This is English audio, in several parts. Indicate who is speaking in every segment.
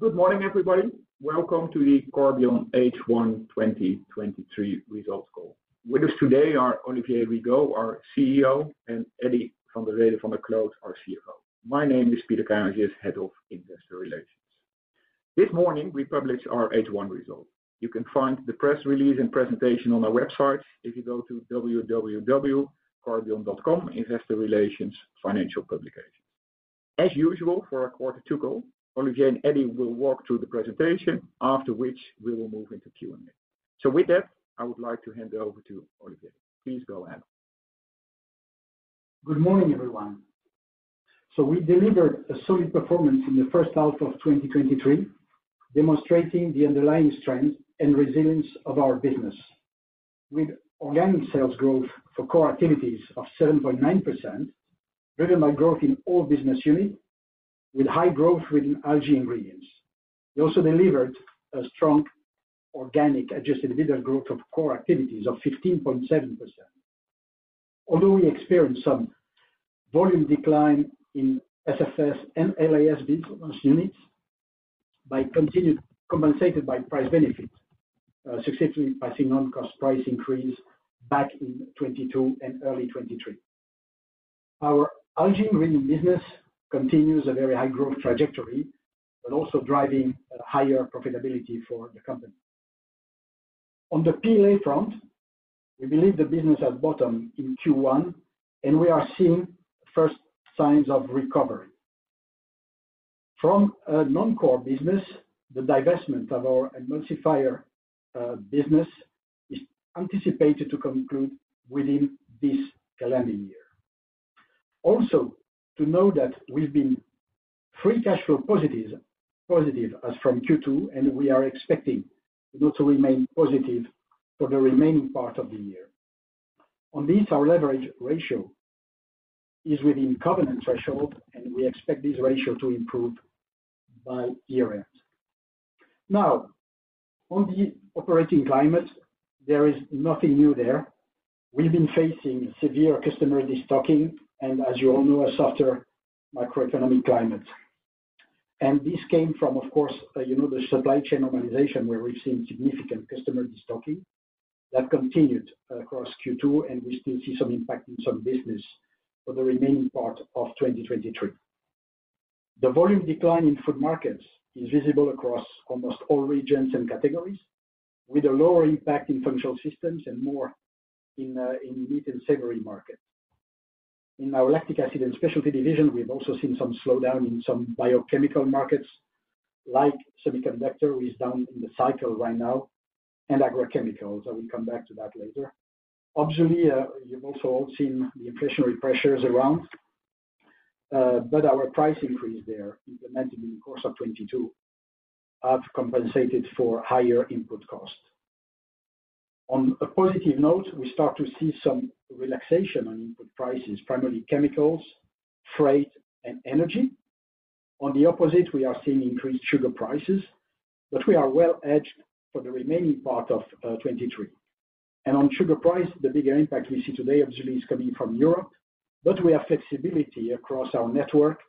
Speaker 1: Good morning, everybody. Welcome to the Corbion H1 2023 results call. With us today are Olivier Rigaud, our CEO, and Eddy van Rhede van der Kloot, our CFO. My name is Peter Kazius, Head of Investor Relations. This morning, we published our H1 results. You can find the press release and presentation on our website if you go to www.corbion.com, Investor Relations, Financial Publications. As usual, for our quarter two call, Olivier and Eddy will walk through the presentation, after which we will move into Q&A. With that, I would like to hand it over to Olivier. Please go ahead.
Speaker 2: Good morning, everyone. We delivered a solid performance in the first half of 2023, demonstrating the underlying strength and resilience of our business. With organic sales growth for core activities of 7.9%, driven by growth in all business unit, with high growth within algae ingredients. We also delivered a strong organic adjusted EBITDA growth of core activities of 15.7%. We experienced some volume decline in SFS and LAS business units, by compensated by price benefits, successfully passing on cost price increase back in 2022 and early 2023. Our algae ingredient business continues a very high growth trajectory, but also driving a higher profitability for the company. On the PLA front, we believe the business has bottomed in Q1, and we are seeing first signs of recovery. From a non-core business, the divestment of our emulsifier business is anticipated to conclude within this calendar year. Also, to know that we've been free cash flow positive, positive as from Q2, and we are expecting it to remain positive for the remaining part of the year. On this, our leverage ratio is within covenant threshold, and we expect this ratio to improve by year end. Now, on the operating climate, there is nothing new there. We've been facing severe customer destocking, and as you all know, a softer macroeconomic climate. This came from, of course, you know, the supply chain organization, where we've seen significant customer destocking. That continued across Q2, and we still see some impact in some business for the remaining part of 2023. The volume decline in food markets is visible across almost all regions and categories, with a lower impact in functional systems and more in the meat and savory market. In our Lactic Acid & Specialties division, we've also seen some slowdown in some biochemical markets, like semiconductor, which is down in the cycle right now, and agrochemicals, I will come back to that later. Obviously, you've also all seen the inflationary pressures around, but our price increase there, implemented in the course of 2022, have compensated for higher input costs. On a positive note, we start to see some relaxation on input prices, primarily chemicals, freight, and energy. On the opposite, we are seeing increased sugar prices, but we are well-hedged for the remaining part of 2023. On sugar price, the bigger impact we see today, obviously, is coming from Europe, but we have flexibility across our network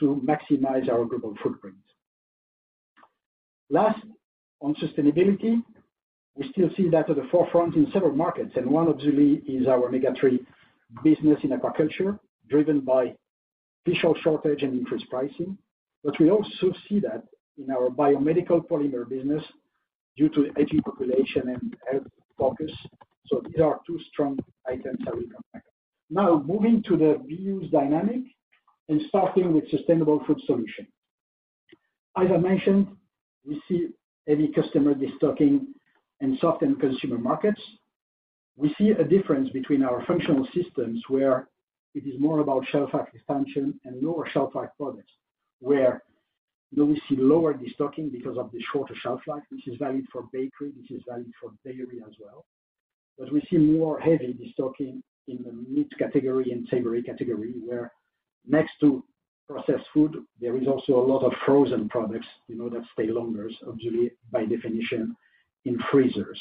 Speaker 2: to maximize our global footprint. Last, on sustainability, we still see that at the forefront in several markets, and one obviously is our omega-3 business in aquaculture, driven by official shortage and increased pricing. We also see that in our biomedical polymer business due to aging population and health focus. These are two strong items I will come back on. Moving to the views dynamic and starting with Sustainable Food Solutions. As I mentioned, we see heavy customer destocking in soft and consumer markets. We see a difference between our functional systems, where it is more about shelf life expansion and lower shelf life products, where then we see lower destocking because of the shorter shelf life. This is valid for bakery, this is valid for dairy as well. We see more heavy destocking in the meat category and savory category, where next to processed food, there is also a lot of frozen products, you know, that stay longer, obviously, by definition, in freezers.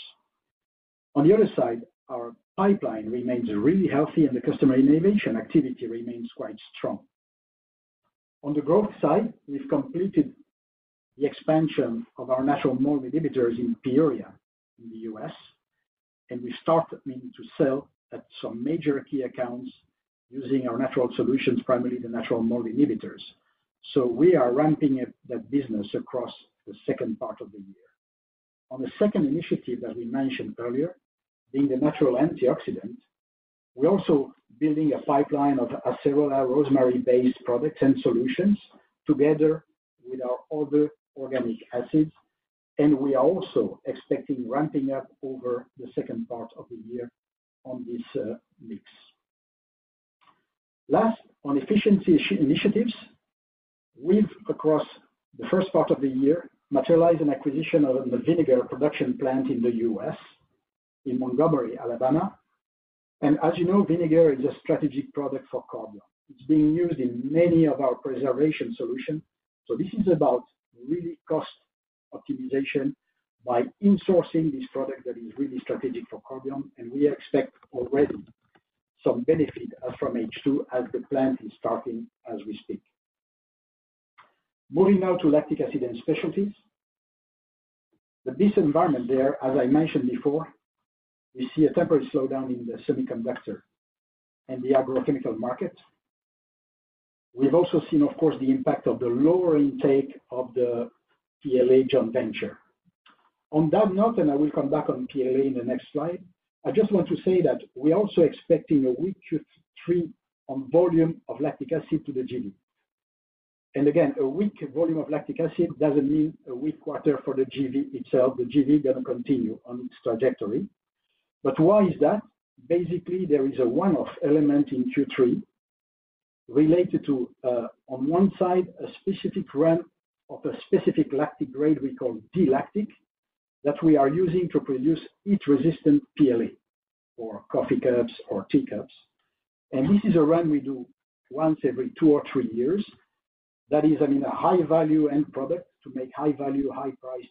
Speaker 2: On the other side, our pipeline remains really healthy and the customer innovation activity remains quite strong. On the growth side, we've completed the expansion of our natural mold inhibitors in Peoria, in the U.S., and we started meaning to sell at some major key accounts using our natural solutions, primarily the natural mold inhibitors. We are ramping up that business across the second part of the year. On the second initiative that we mentioned earlier, being the natural antioxidant, we're also building a pipeline of acerola rosemary-based products and solutions together with our other organic acids, we are also expecting ramping up over the second part of the year on this mix. Last, on efficiency initiatives, we've, across the first part of the year, materialized an acquisition of the vinegar production plant in the U.S., in Montgomery, Alabama. As you know, vinegar is a strategic product for Corbion. It's being used in many of our preservation solutions, so this is about really optimization by insourcing this product that is really strategic for Corbion, we expect already some benefit from H2 as the plant is starting as we speak. Moving now to Lactic Acid & Specialties. The business environment there, as I mentioned before, we see a temporary slowdown in the semiconductor and the agrochemical market. We've also seen, of course, the impact of the lower intake of the PLA joint venture. On that note, I will come back on PLA in the next slide, I just want to say that we're also expecting a weak Q3 on volume of lactic acid to the JV. Again, a weak volume of lactic acid doesn't mean a weak quarter for the JV itself. The JV is going to continue on its trajectory. Why is that? Basically, there is a one-off element in Q3 related to, on one side, a specific run of a specific lactic grade we call D-lactic, that we are using to produce heat-resistant PLA or coffee cups or teacups. This is a run we do once every two or three years. That is, I mean, a high-value end product to make high value, high price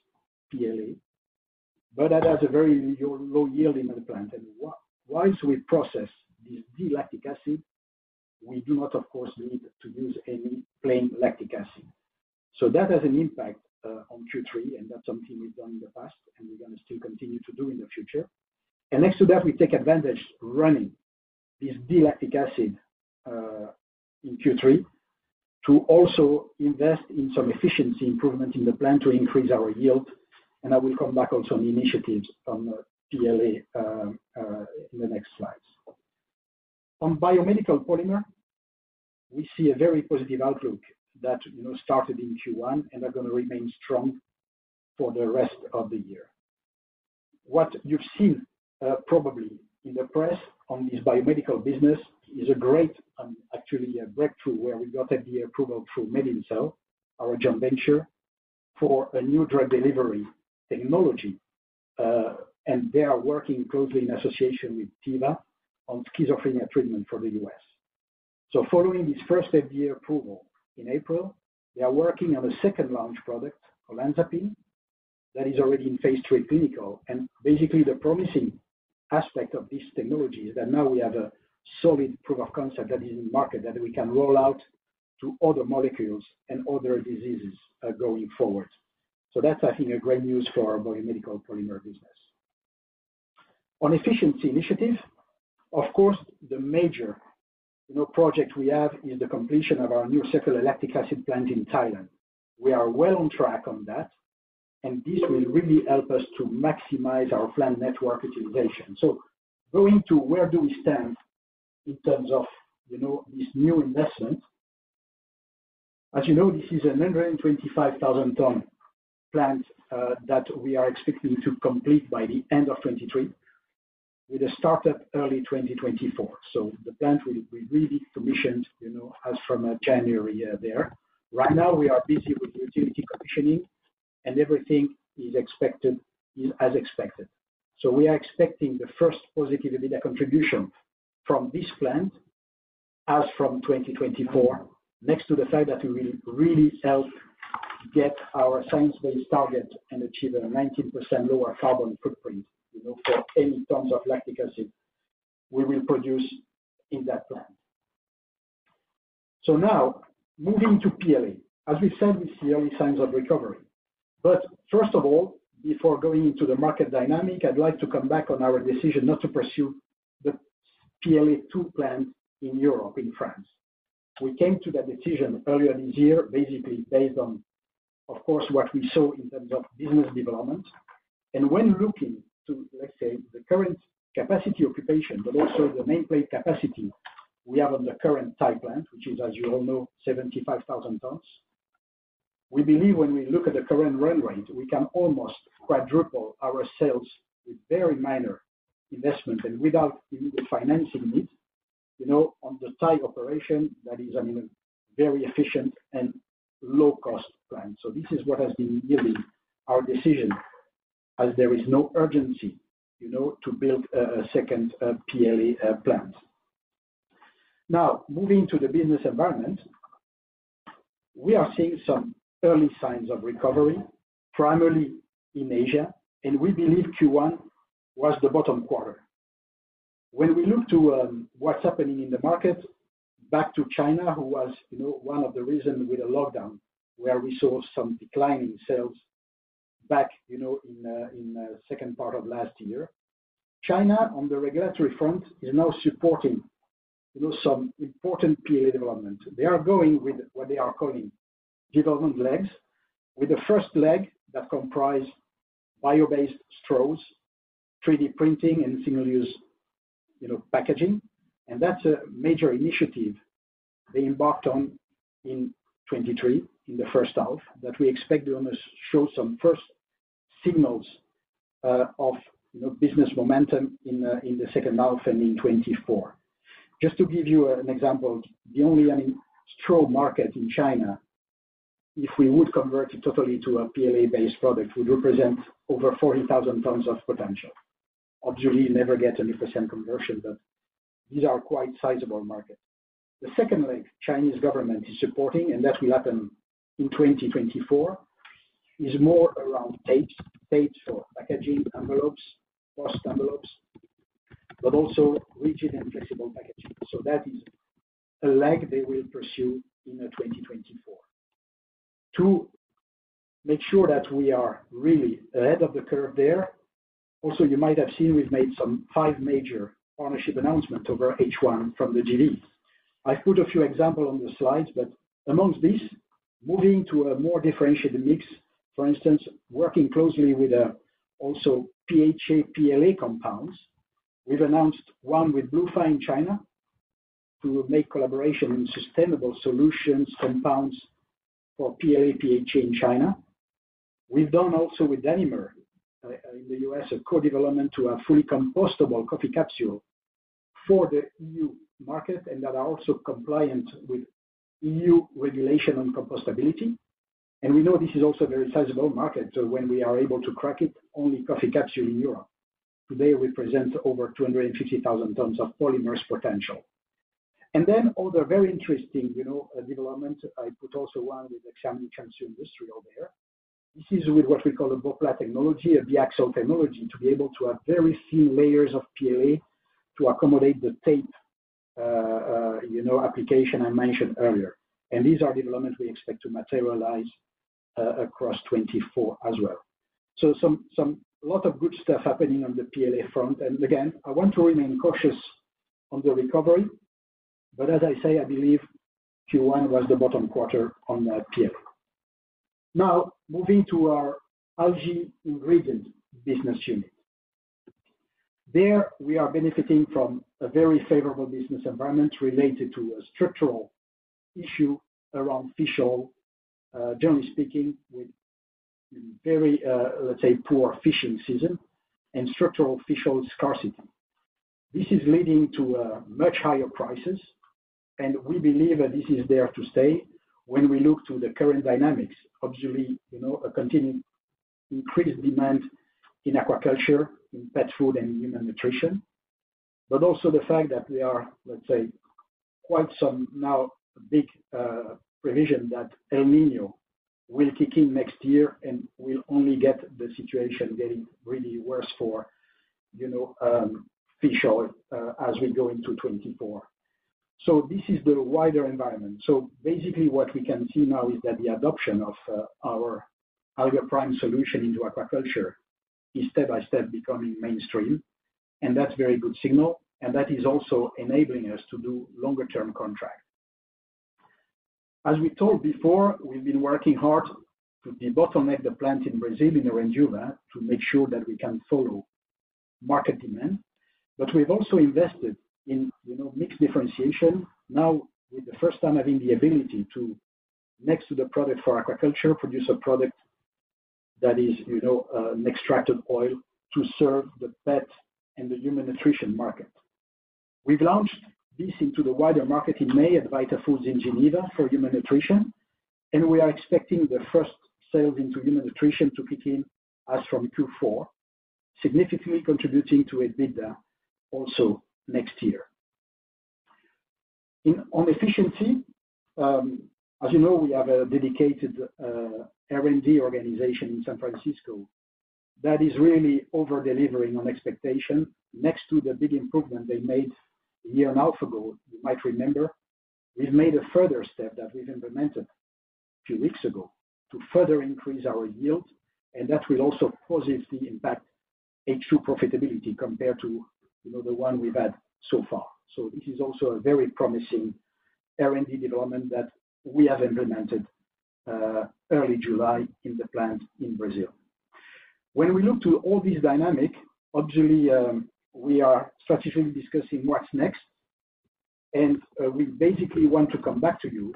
Speaker 2: PLA, but that has a very low, low yield in the plant. Whilst we process this D-lactic acid, we do not, of course, need to use any plain lactic acid. That has an impact on Q3, and that's something we've done in the past and we're gonna still continue to do in the future. Next to that, we take advantage running this D-lactic acid in Q3 to also invest in some efficiency improvement in the plant to increase our yield. I will come back on some initiatives on the PLA in the next slides. On biomedical polymer, we see a very positive outlook that, you know, started in Q1 and are gonna remain strong for the rest of the year. What you've seen, probably in the press on this biomedical business is a great, actually a breakthrough, where we got the approval through MedinCell, our joint venture, for a new drug delivery technology. They are working closely in association with Teva on schizophrenia treatment for the U.S. Following this first FDA approval in April, they are working on a second launch product, Olanzapine, that is already in phase III clinical. Basically, the promising aspect of this technology is that now we have a solid proof of concept that is in the market, that we can roll out to other molecules and other diseases, going forward. That's, I think, a great news for our biomedical polymer business. On efficiency initiative, of course, the major, you know, project we have is the completion of our new Circular Lactic Acid Plant in Thailand. We are well on track on that. This will really help us to maximize our plant network utilization. Going to where do we stand in terms of, you know, this new investment? As you know, this is a 125,000 ton plant that we are expecting to complete by the end of 2023, with a startup early 2024. The plant will be really commissioned, you know, as from a January there. Right now, we are busy with utility commissioning, and everything is expected, is as expected. We are expecting the first positive EBITDA contribution from this plant as from 2024, next to the fact that we will really help get our science-based target and achieve a 19% lower carbon footprint, you know, for any tons of lactic acid we will produce in that plant. Now, moving to PLA. As we said, we see early signs of recovery. First of all, before going into the market dynamic, I'd like to come back on our decision not to pursue the PLA2 plant in Europe, in France. We came to that decision earlier this year, basically based on, of course, what we saw in terms of business development. When looking to, let's say, the current capacity occupation, but also the nameplate capacity we have on the current Thai plant, which is, as you all know, 75,000 tons. We believe when we look at the current run rate, we can almost quadruple our sales with very minor investment and without any financing need, you know, on the Thai operation, that is, I mean, a very efficient and low-cost plant. This is what has been yielding our decision, as there is no urgency, you know, to build a second PLA plant. Moving to the business environment, we are seeing some early signs of recovery, primarily in Asia, and we believe Q1 was the bottom quarter. When we look to what's happening in the market, back to China, who was, you know, one of the reason with the lockdown, where we saw some decline in sales back, you know, in second part of last year. China, on the regulatory front, is now supporting, you know, some important PLA development. They are going with what they are calling development legs, with the first leg that comprise bio-based straws, 3D printing and single use, you know, packaging. That's a major initiative they embarked on in 2023, in the first half, that we expect them to show some first signals of, you know, business momentum in the second half and in 2024. Just to give you an example, the only straw market in China, if we would convert it totally to a PLA-based product, would represent over 40,000 tons of potential. Obviously, you never get 100% conversion, but these are quite sizable markets. The second leg, Chinese government is supporting, and that will happen in 2024, is more around tape. Tape for packaging, envelopes, post envelopes, but also rigid and flexible packaging. That is a leg they will pursue in 2024. To make sure that we are really ahead of the curve there, also, you might have seen we've made some five major partnership announcements over H1 from the GD. I put a few examples on the slides, but amongst these, moving to a more differentiated mix, for instance, working closely with also PHA, PLA compounds. We've announced one with Bluepha China to make collaboration in sustainable solutions, compounds for PLA, PHA in China. We've done also with Danimer in the U.S., a co-development to a fully compostable coffee capsule for the E.U. market, and that are also compliant with E.U. regulation on compostability. We know this is also a very sizable market, so when we are able to crack it, only coffee capsule in Europe today represents over 250,000 tons of polymers potential. Other very interesting, you know, development, I put also one with the Xiamen Changsu Industrial there. This is with what we call a BOPLA technology, a biaxial technology, to be able to have very thin layers of PLA to accommodate the tape, you know, application I mentioned earlier. These are developments we expect to materialize across 2024 as well. A lot of good stuff happening on the PLA front. Again, I want to remain cautious on the recovery, but as I say, I believe Q1 was the bottom quarter on the PLA. Moving to our Algae Ingredient Business Unit. There, we are benefiting from a very favorable business environment related to a structural issue around fish oil. Generally speaking, with very, let's say, poor fishing season and structural fish oil scarcity. This is leading to much higher prices, and we believe that this is there to stay. When we look to the current dynamics, obviously, you know, a continued increased demand in aquaculture, in pet food and human nutrition, but also the fact that we are, let's say, quite some now big provision that El Niño will kick in next year, and we'll only get the situation getting really worse for, you know, fish oil, as we go into 2024. This is the wider environment. Basically what we can see now is that the adoption of our AlgaPrime solution into aquaculture is step by step becoming mainstream, and that's very good signal, and that is also enabling us to do longer term contract. As we told before, we've been working hard to debottleneck the plant in Brazil, in Araucária, to make sure that we can follow market demand. We've also invested in, you know, mixed differentiation. Now, with the first time having the ability to, next to the product for aquaculture, produce a product that is, you know, an extracted oil to serve the pet and the human nutrition market. We've launched this into the wider market in May at Vitafoods in Geneva for human nutrition, and we are expecting the first sales into human nutrition to kick in as from Q4, significantly contributing to EBITDA also next year. On efficiency, as you know, we have a dedicated R&D organization in San Francisco that is really over-delivering on expectation. Next to the big improvement they made a year and a half ago, you might remember, we've made a further step that we've implemented a few weeks ago to further increase our yield, and that will also positively impact H2 profitability compared to, you know, the one we've had so far. This is also a very promising R&D development that we have implemented early July in the plant in Brazil. When we look to all these dynamic, obviously, we are strategically discussing what's next, and we basically want to come back to you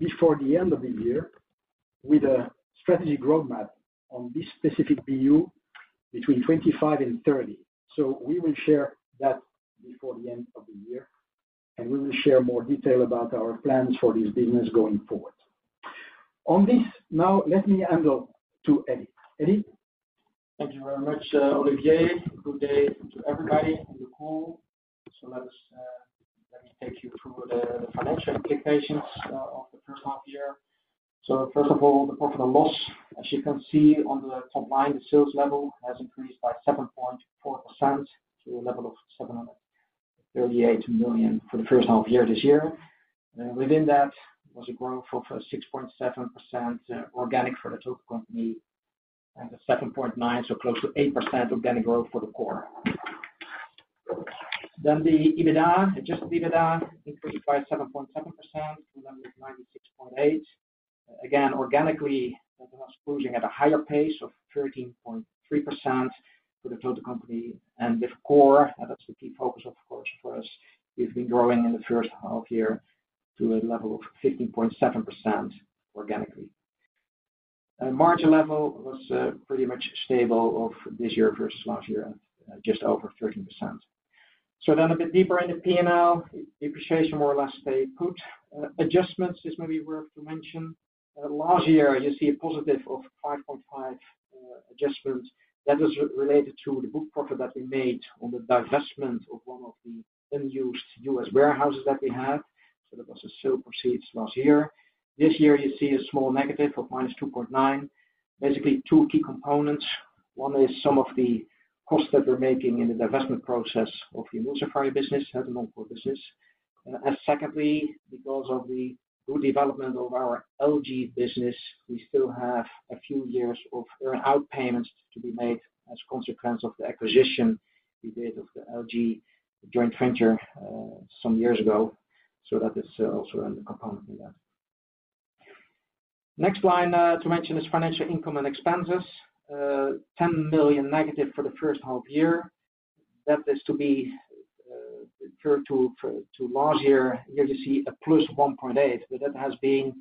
Speaker 2: before the end of the year with a strategic roadmap on this specific BU between 25 and 30. We will share that before the end of the year, and we will share more detail about our plans for this business going forward. On this, now, let me hand over to Eddy. Eddy?
Speaker 3: Thank you very much, Olivier. Good day to everybody on the call. Let us let me take you through the financial implications of the first half year. First of all, the profit and loss. As you can see on the top line, the sales level has increased by 7.4% to a level of 738 million for the first half year this year. Within that was a growth of 6.7% organic for the total company, and a 7.9%, so close to 8% organic growth for the core. The EBITDA, adjusted EBITDA increased by 7.7%, to 96.8 million. Organically, that was growing at a higher pace of 13.3% for the total company and the core, and that's the key focus, of course, for us. We've been growing in the first half year to a level of 15.7% organically. Margin level was pretty much stable of this year versus last year, just over 13%. A bit deeper in the P&L, depreciation more or less stayed put. Adjustments is maybe worth to mention. Last year, you see a positive of 5.5 adjustment. That is related to the book profit that we made on the divestment of one of the unused U.S. warehouses that we had. That was the sale proceeds last year. This year, you see a small negative of minus 2.9. Basically, two key components. One is some of the costs that we're making in the divestment process of the emulsifier business, had an on-purpose business. Secondly, because of the good development of our algae business, we still have a few years of earn-out payments to be made as a consequence of the acquisition we did of the algae joint venture, some years ago. That is also a component in that. Next line to mention is financial income and expenses. 10 million negative for the first half-year. That is to be referred to, for, to last year. Here you see a +1.8, but that has been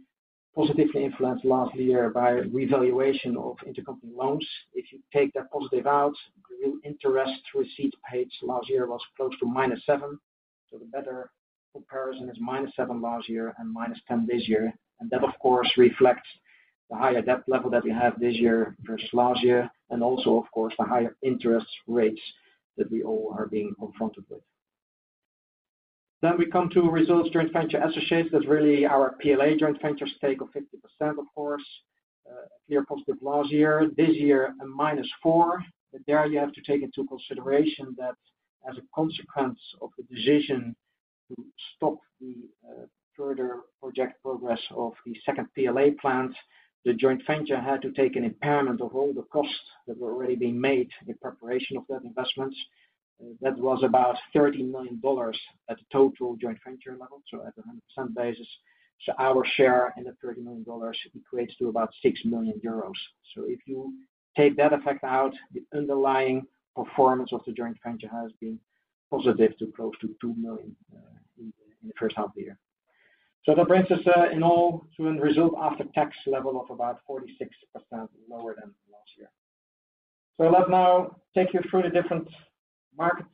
Speaker 3: positively influenced last year by revaluation of intercompany loans. If you take that positive out, the real interest receipt paid last year was close to -7, so the better comparison is -7 last year and -10 this year. That, of course, reflects the higher debt level that we have this year versus last year, and also, of course, the higher interest rates that we all are being confronted with. Then we come to results, joint venture associates. That's really our PLA joint venture stake of 50%, of course. Clear positive last year, this year, a -4. There you have to take into consideration that as a consequence of the decision to stop the further project progress of the second PLA plant, the joint venture had to take an impairment of all the costs that were already being made in the preparation of that investment. That was about $30 million at the total joint venture level, at a 100% basis. Our share in the $30 million equates to about 6 million euros. If you take that effect out, the underlying performance of the joint venture has been positive to close to 2 million in the first half of the year. That brings us in all to a result after tax level of about 46% lower than last year. Let me now take you through the different market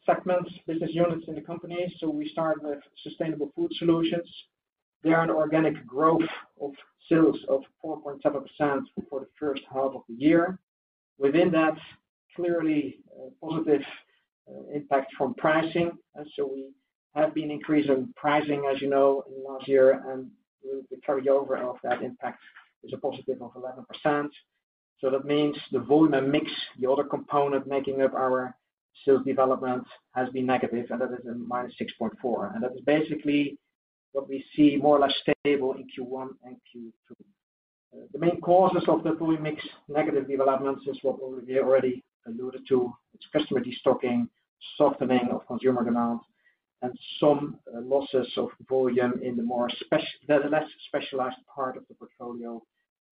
Speaker 3: segments, business units in the company. We start with Sustainable Food Solutions. They are an organic growth of sales of 4.7% for the first half of the year. Within that, clearly, a positive impact from pricing. We have been increasing pricing, as you know, in last year, and the carryover of that impact is a positive of 11%. That means the volume and mix, the other component making up our sales development, has been negative, and that is a -6.4.That is basically what we see more or less stable in Q1 and Q2. The main causes of the volume mix, negative developments, is what we already alluded to. It's customer destocking, softening of consumer demand, and some losses of volume in the less specialized part of the portfolio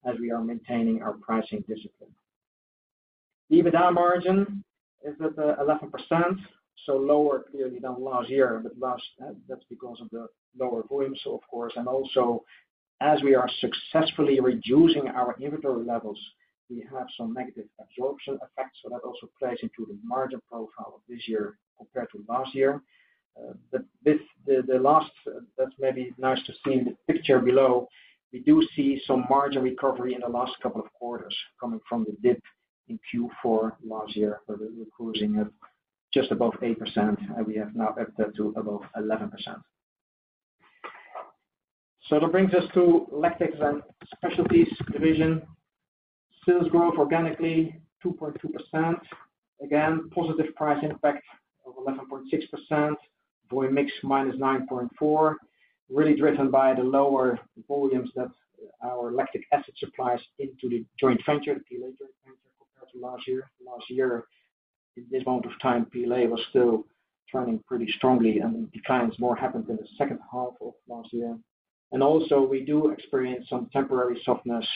Speaker 3: as we are maintaining our pricing discipline. EBITDA margin is at 11%, so lower clearly than last year, but last, that, that's because of the lower volumes, of course, and also as we are successfully reducing our inventory levels, we have some negative absorption effects. That also plays into the margin profile of this year compared to last year. But this, the, the last, that's maybe nice to see in the picture below, we do see some margin recovery in the last couple of quarters coming from the dip in Q4 last year, where we were closing at just above 8%, and we have now upped that to above 11%. That brings us to Lactics and Specialties division. Sales growth organically, 2.2%. Again, positive price impact of 11.6%. Volume mix, -9.4%, really driven by the lower volumes that our lactic acid supplies into the joint venture, the PLA joint venture, compared to last year. Last year, this amount of time, PLA was still turning pretty strongly, and the declines more happened in the second half of last year. Also, we do experience some temporary softness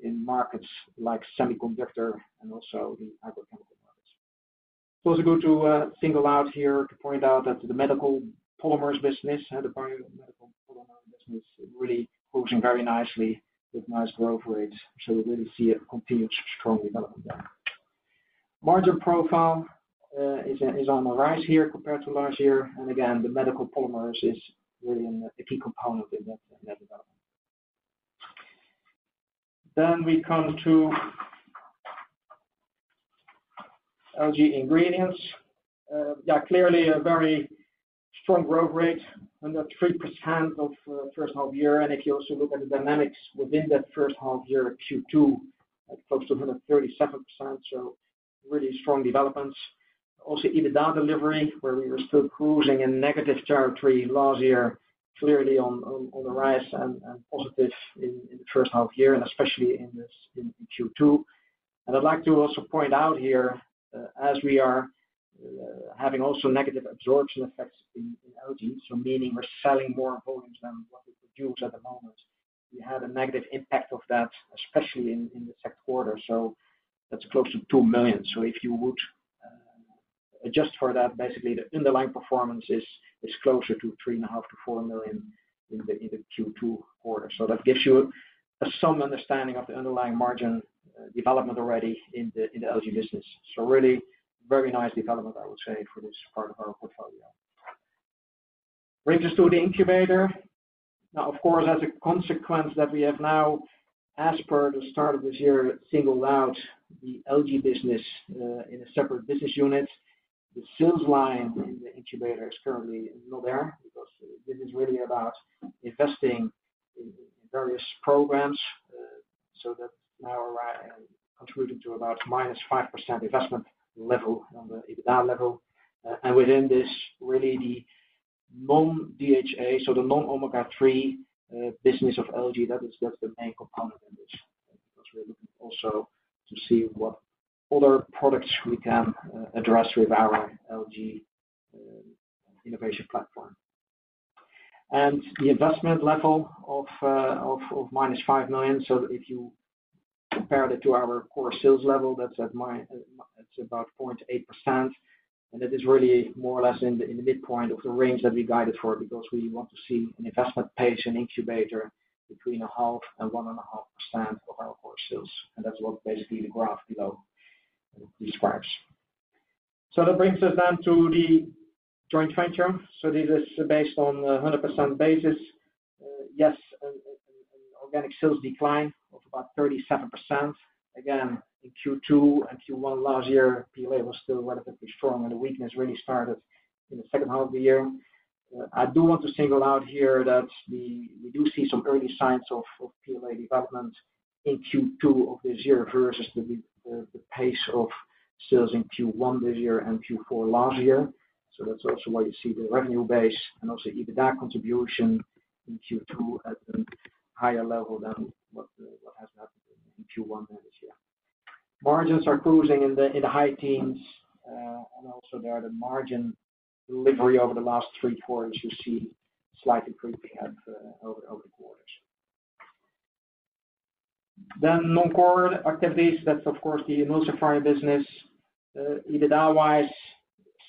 Speaker 3: in markets like semiconductor and also the agricultural markets. It's good to single out here to point out that the medical polymers business and the biomedical polymer business is really closing very nicely with nice growth rates, so we really see a continued strong development there. Margin profile is on the rise here compared to last year. Again, the medical polymers is really a key component in that, in that development. We come to algae ingredients. Yeah, clearly a very strong growth rate, under 3% of first half year. If you also look at the dynamics within that first half year, Q2, at close to 137%, so really strong developments. Also, EBITDA delivery, where we were still cruising in negative territory last year, clearly on, on, on the rise and, and positive in, in the first half year, and especially in this, in Q2. I'd like to also point out here, as we are having also negative absorption effects in, in LG, so meaning we're selling more volumes than what we produce at the moment, we had a negative impact of that, especially in, in the second quarter, so that's close to $2 million. If you would adjust for that, basically, the underlying performance is closer to 3.5 million-4 million in the Q2 quarter. That gives you some understanding of the underlying margin development already in the algae business. Really very nice development, I would say, for this part of our portfolio. Brings us to the incubator. Now, of course, as a consequence that we have now, as per the start of this year, singled out the algae business in a separate business unit. The sales line in the incubator is currently not there, because this is really about investing in various programs, so that now contributing to about -5% investment level on the EBITDA level. Within this, really the non-DHA, so the non-omega-3, business of algae, that is just the main component in this, because we're looking also to see what other products we can address with our algae innovation platform. The investment level of -5 million, so if you compare that to our core sales level, that's about 0.8%, and that is really more or less in the midpoint of the range that we guided for, because we want to see an investment pace, an incubator between 0.5% and 1.5% of our core sales. That's what basically the graph below describes. That brings us then to the joint venture. This is based on a 100% basis. Yes, an organic sales decline of about 37%. In Q2 and Q1 last year, PLA was still relatively strong, and the weakness really started in the second half of the year. I do want to single out here that we, we do see some early signs of, of PLA development in Q2 of this year versus the pace of sales in Q1 this year and Q4 last year. That's also why you see the revenue base and also EBITDA contribution in Q2 at a higher level than what has happened in Q1 this year. Margins are cruising in the, in the high teens, and also there, the margin delivery over the last three quarters, you see slightly creeping up over, over the quarters. Non-core activities, that's of course, the emulsifier business. EBITDA-wise,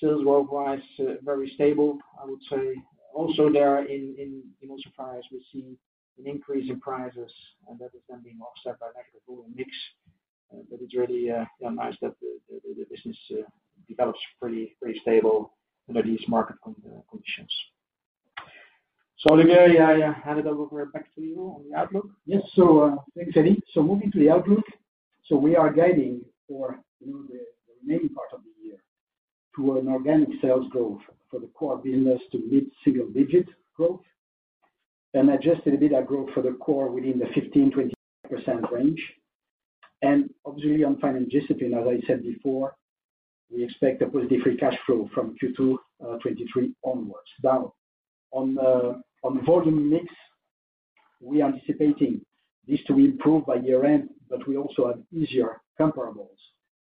Speaker 3: sales worldwide, very stable, I would say. Also there in, in emulsifiers, we see an increase in prices, and that is then being offset by negative volume mix. It's really nice that the business develops pretty, pretty stable under these market conditions. Olivier, I hand it over back to you on the outlook.
Speaker 2: Yes, thanks, Eddy. Moving to the outlook. We are guiding for, you know, the remaining part of the year, to an organic sales growth for the core business to mid-single-digit growth. Adjusted EBITDA growth for the core within the 15%-20% range. Obviously, on financial discipline, as I said before, we expect a positive free cash flow from Q2 2023 onwards. On the volume mix, we are anticipating this to improve by year-end, but we also have easier comparables,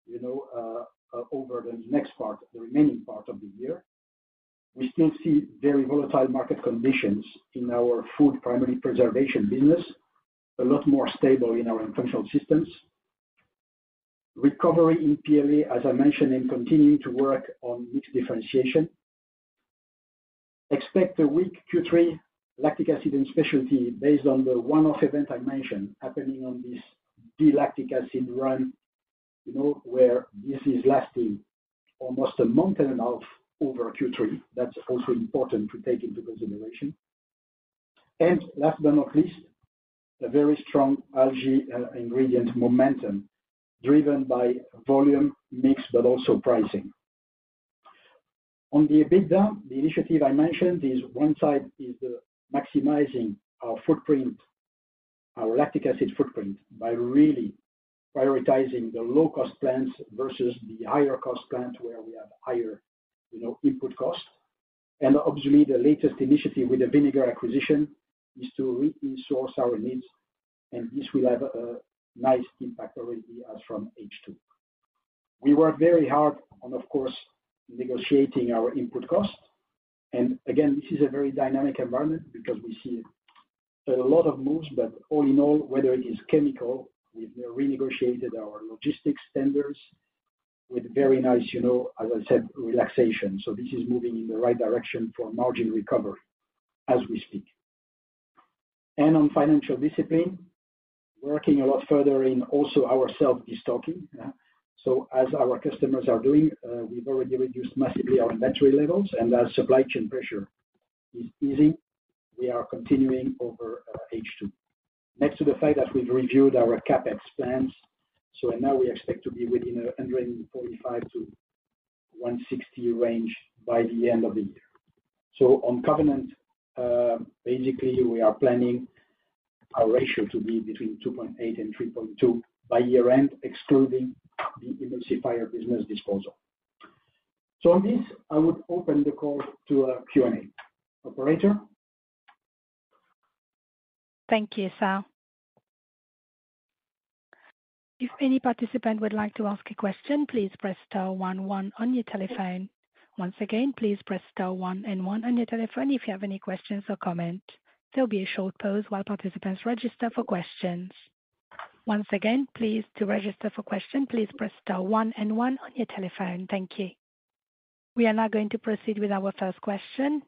Speaker 2: you know, over the next part, the remaining part of the year. We still see very volatile market conditions in our food, primary preservation business, a lot more stable in our functional systems. Recovery in PLA, as I mentioned, and continuing to work on mix differentiation. Expect a weak Q3 Lactic Acid & Specialties based on the one-off event I mentioned, happening on this D-lactic acid run, you know, where this is lasting almost a month and a half over Q3. That's also important to take into consideration. Last but not least, a very strong algae ingredient momentum, driven by volume mix, but also pricing. On the EBITDA, the initiative I mentioned, is one side is maximizing our footprint, our lactic acid footprint, by really prioritizing the low-cost plants versus the higher-cost plants, where we have higher, you know, input costs. Obviously, the latest initiative with the vinegar acquisition is to really source our needs, and this will have a nice impact already as from H2. We work very hard on, of course, negotiating our input costs. This is a very dynamic environment because we see a lot of moves, all in all, whether it is chemical, we've renegotiated our logistics tenders with very nice, you know, as I said, relaxation. This is moving in the right direction for margin recovery as we speak. On financial discipline, working a lot further in also ourself is talking. Yeah. As our customers are doing, we've already reduced massively our inventory levels, and as supply chain pressure is easing, we are continuing over H2. Next to the fact that we've reviewed our CapEx plans, now we expect to be within a 145-160 range by the end of the year. On covenant, basically, we are planning our ratio to be between 2.8 and 3.2 by year-end, excluding the emulsifiers business disposal. On this, I would open the call to a Q&A. Operator?
Speaker 4: Thank you, sir. If any participant would like to ask a question, please press star one one on your telephone. Once again, please press star one and one on your telephone if you have any questions or comments. There will be a short pause while participants register for questions. Once again, please, to register for question, please press star one and one on your telephone. Thank you. We are now going to proceed with our first question.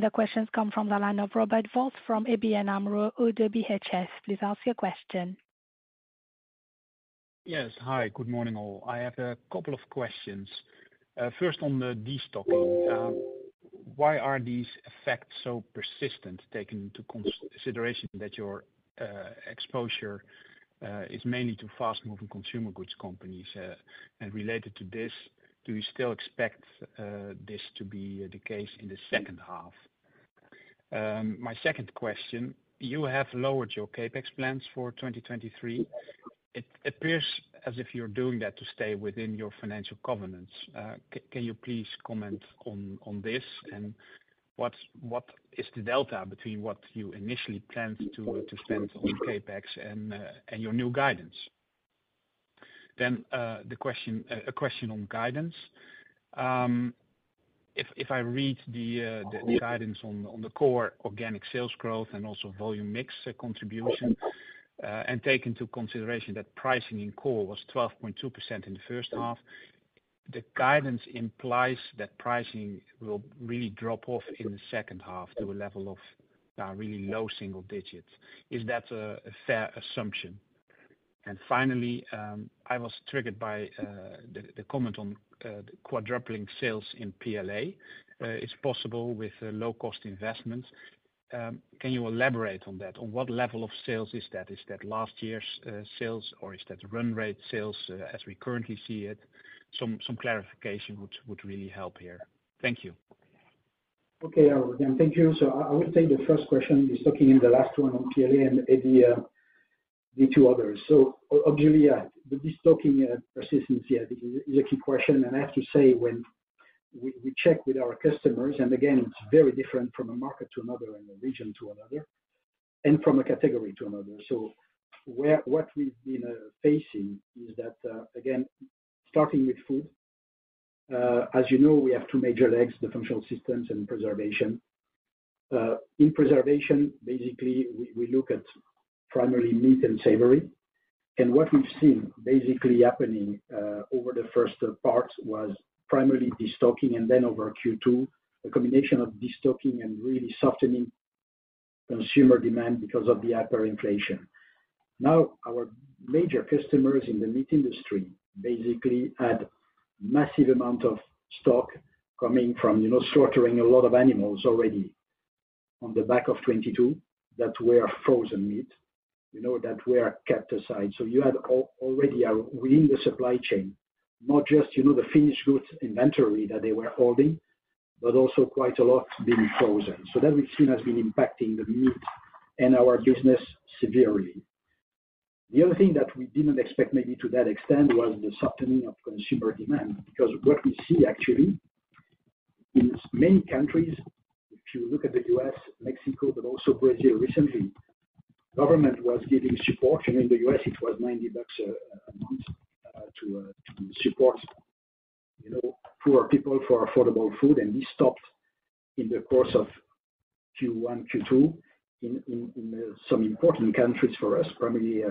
Speaker 4: The questions come from the line of Robert Vos from ABN AMRO - ODDO BHF. Please ask your question.
Speaker 5: Yes. Hi, good morning, all. I have a couple of questions. First, on the destocking. Why are these effects so persistent, taking into consideration that your exposure is mainly to fast-moving consumer goods companies? Related to this, do you still expect this to be the case in the second half? My second question, you have lowered your CapEx plans for 2023. It appears as if you're doing that to stay within your financial covenants. Can you please comment on this, and what's, what is the delta between what you initially planned to spend on CapEx and your new guidance? The question, a question on guidance. If I read the guidance on the core organic sales growth and also volume mix contribution, take into consideration that pricing in core was 12.2% in the first half, the guidance implies that pricing will really drop off in the second half to a level of really low single digits. Is that a fair assumption? Finally, I was triggered by the comment on quadrupling sales in PLA is possible with low-cost investments. Can you elaborate on that? On what level of sales is that? Is that last year's sales, or is that run rate sales as we currently see it? Some clarification would really help here. Thank you.
Speaker 2: Okay, Robert, thank you. I, I would say the first question is talking in the last one on PLA and the, the two others. Obviously, yeah, the destocking, persistence, yeah, is a, is a key question. I have to say, when we, we check with our customers, and again, it's very different from a market to another and a region to another, and from a category to another. What we've been facing is that, again, starting with food, as you know, we have two major legs, the functional systems and preservation. In preservation, basically, we, we look at primarily meat and savory. What we've seen basically happening, over the first part was primarily destocking, and then over Q2, a combination of destocking and really softening consumer demand because of the hyperinflation. Our major customers in the meat industry basically had massive amount of stock coming from, you know, slaughtering a lot of animals already on the back of 22, that were frozen meat, you know, that were kept aside. You had already, within the supply chain, not just, you know, the finished goods inventory that they were holding, but also quite a lot being frozen. That we've seen has been impacting the meat and our business severely. The other thing that we didn't expect, maybe to that extent, was the softening of consumer demand. What we see actually, in many countries, if you look at the U.S., Mexico, but also Brazil recently, government was giving support. In the U.S., it was $90 a month to support, you know, poor people for affordable food. We stopped in the course of Q1, Q2 in some important countries for us, primarily,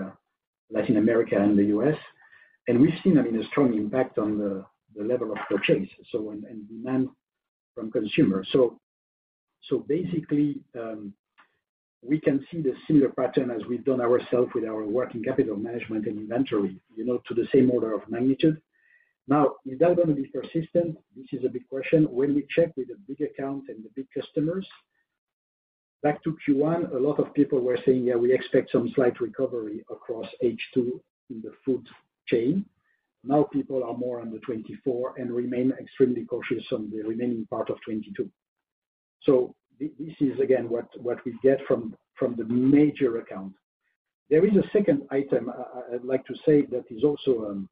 Speaker 2: Latin America and the U.S. We've seen, I mean, a strong impact on the level of purchase, so and demand from consumers. Basically, we can see the similar pattern as we've done ourselves with our working capital management and inventory, you know, to the same order of magnitude. Now, is that gonna be persistent? This is a big question. When we check with the big accounts and the big customers, back to Q1, a lot of people were saying, "Yeah, we expect some slight recovery across H2 in the food chain." Now, people are more on the 2024 and remain extremely cautious on the remaining part of 2022. This is again, what, what we get from, from the major account. There is a second item I, I, I'd like to say that is also,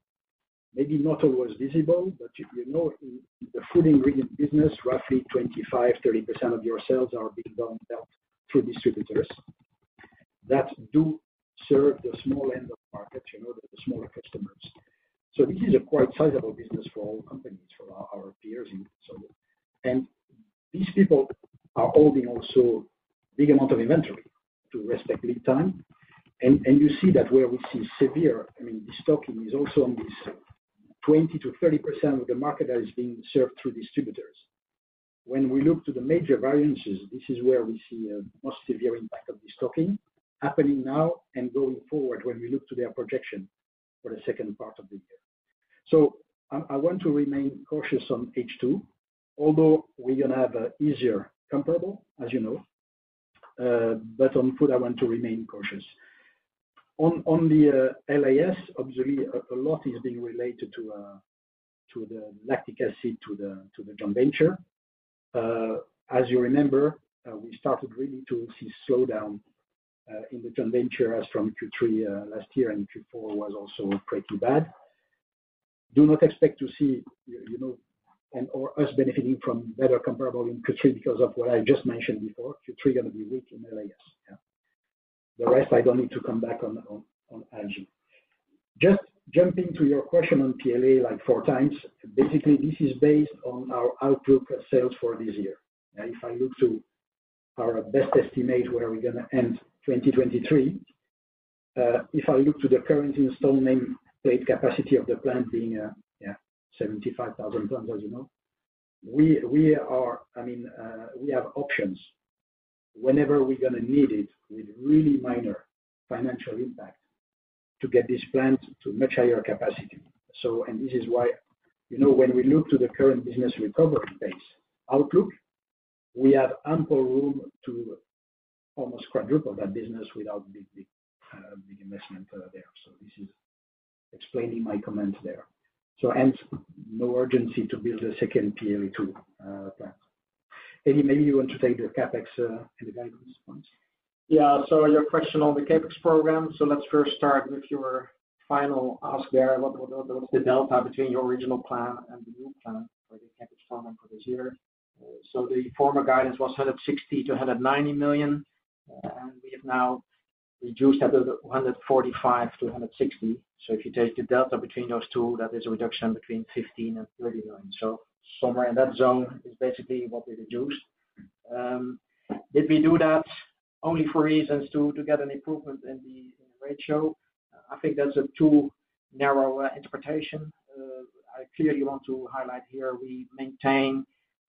Speaker 2: maybe not always visible, but if you know, in the food ingredient business, roughly 25%-30% of your sales are being done through distributors, that do serve the small end of market, you know, the smaller customers. This is a quite sizable business for all companies, for our, our peers in solar. These people are holding also big amount of inventory to restock lead time. You see that where we see severe, I mean, the stocking is also on this 20%-30% of the market that is being served through distributors. When we look to the major variances, this is where we see a more severe impact of the stocking happening now and going forward when we look to their projection for the second part of the year. I, I want to remain cautious on H2, although we're gonna have an easier comparable, as you know, but on food, I want to remain cautious. On, on the LAS, obviously, a lot is being related to the lactic acid, to the joint venture. As you remember, we started really to see slowdown in the joint venture as from Q3 last year, and Q4 was also pretty bad. Do not expect to see, you, you know, and/or us benefiting from better comparable in Q3 because of what I just mentioned before. Q3 going to be weak in LAS, yeah. The rest, I don't need to come back on, on, on Algi. Just jumping to your question on PLA, like, 4x. Basically, this is based on our outlook of sales for this year. Now, if I look to our best estimate, where are we gonna end 2023? If I look to the current installment rate capacity of the plant being, yeah, 75,000 tons, as you know, we, we are, I mean, we have options whenever we're gonna need it, with really minor financial impact to get this plant to much higher capacity. This is why, you know, when we look to the current business recovery pace outlook, we have ample room to almost quadruple that business without big, big, big investment there. This is explaining my comments there. Hence, no urgency to build a second PLA2 plant. Maybe, maybe you want to take the CapEx and the guidance once.
Speaker 3: Yeah. Your question on the CapEx program. Let's first start with your final ask there. What was the delta between your original plan and the new plan for the CapEx for this year? The former guidance was 160 million-190 million, and we have now reduced that to 145 million-160 million. If you take the delta between those two, that is a reduction between 15 million and 30 million. Somewhere in that zone is basically what we reduced. Did we do that only for reasons to get an improvement in the ratio? I think that's a too narrow interpretation. I clearly want to highlight here, we maintain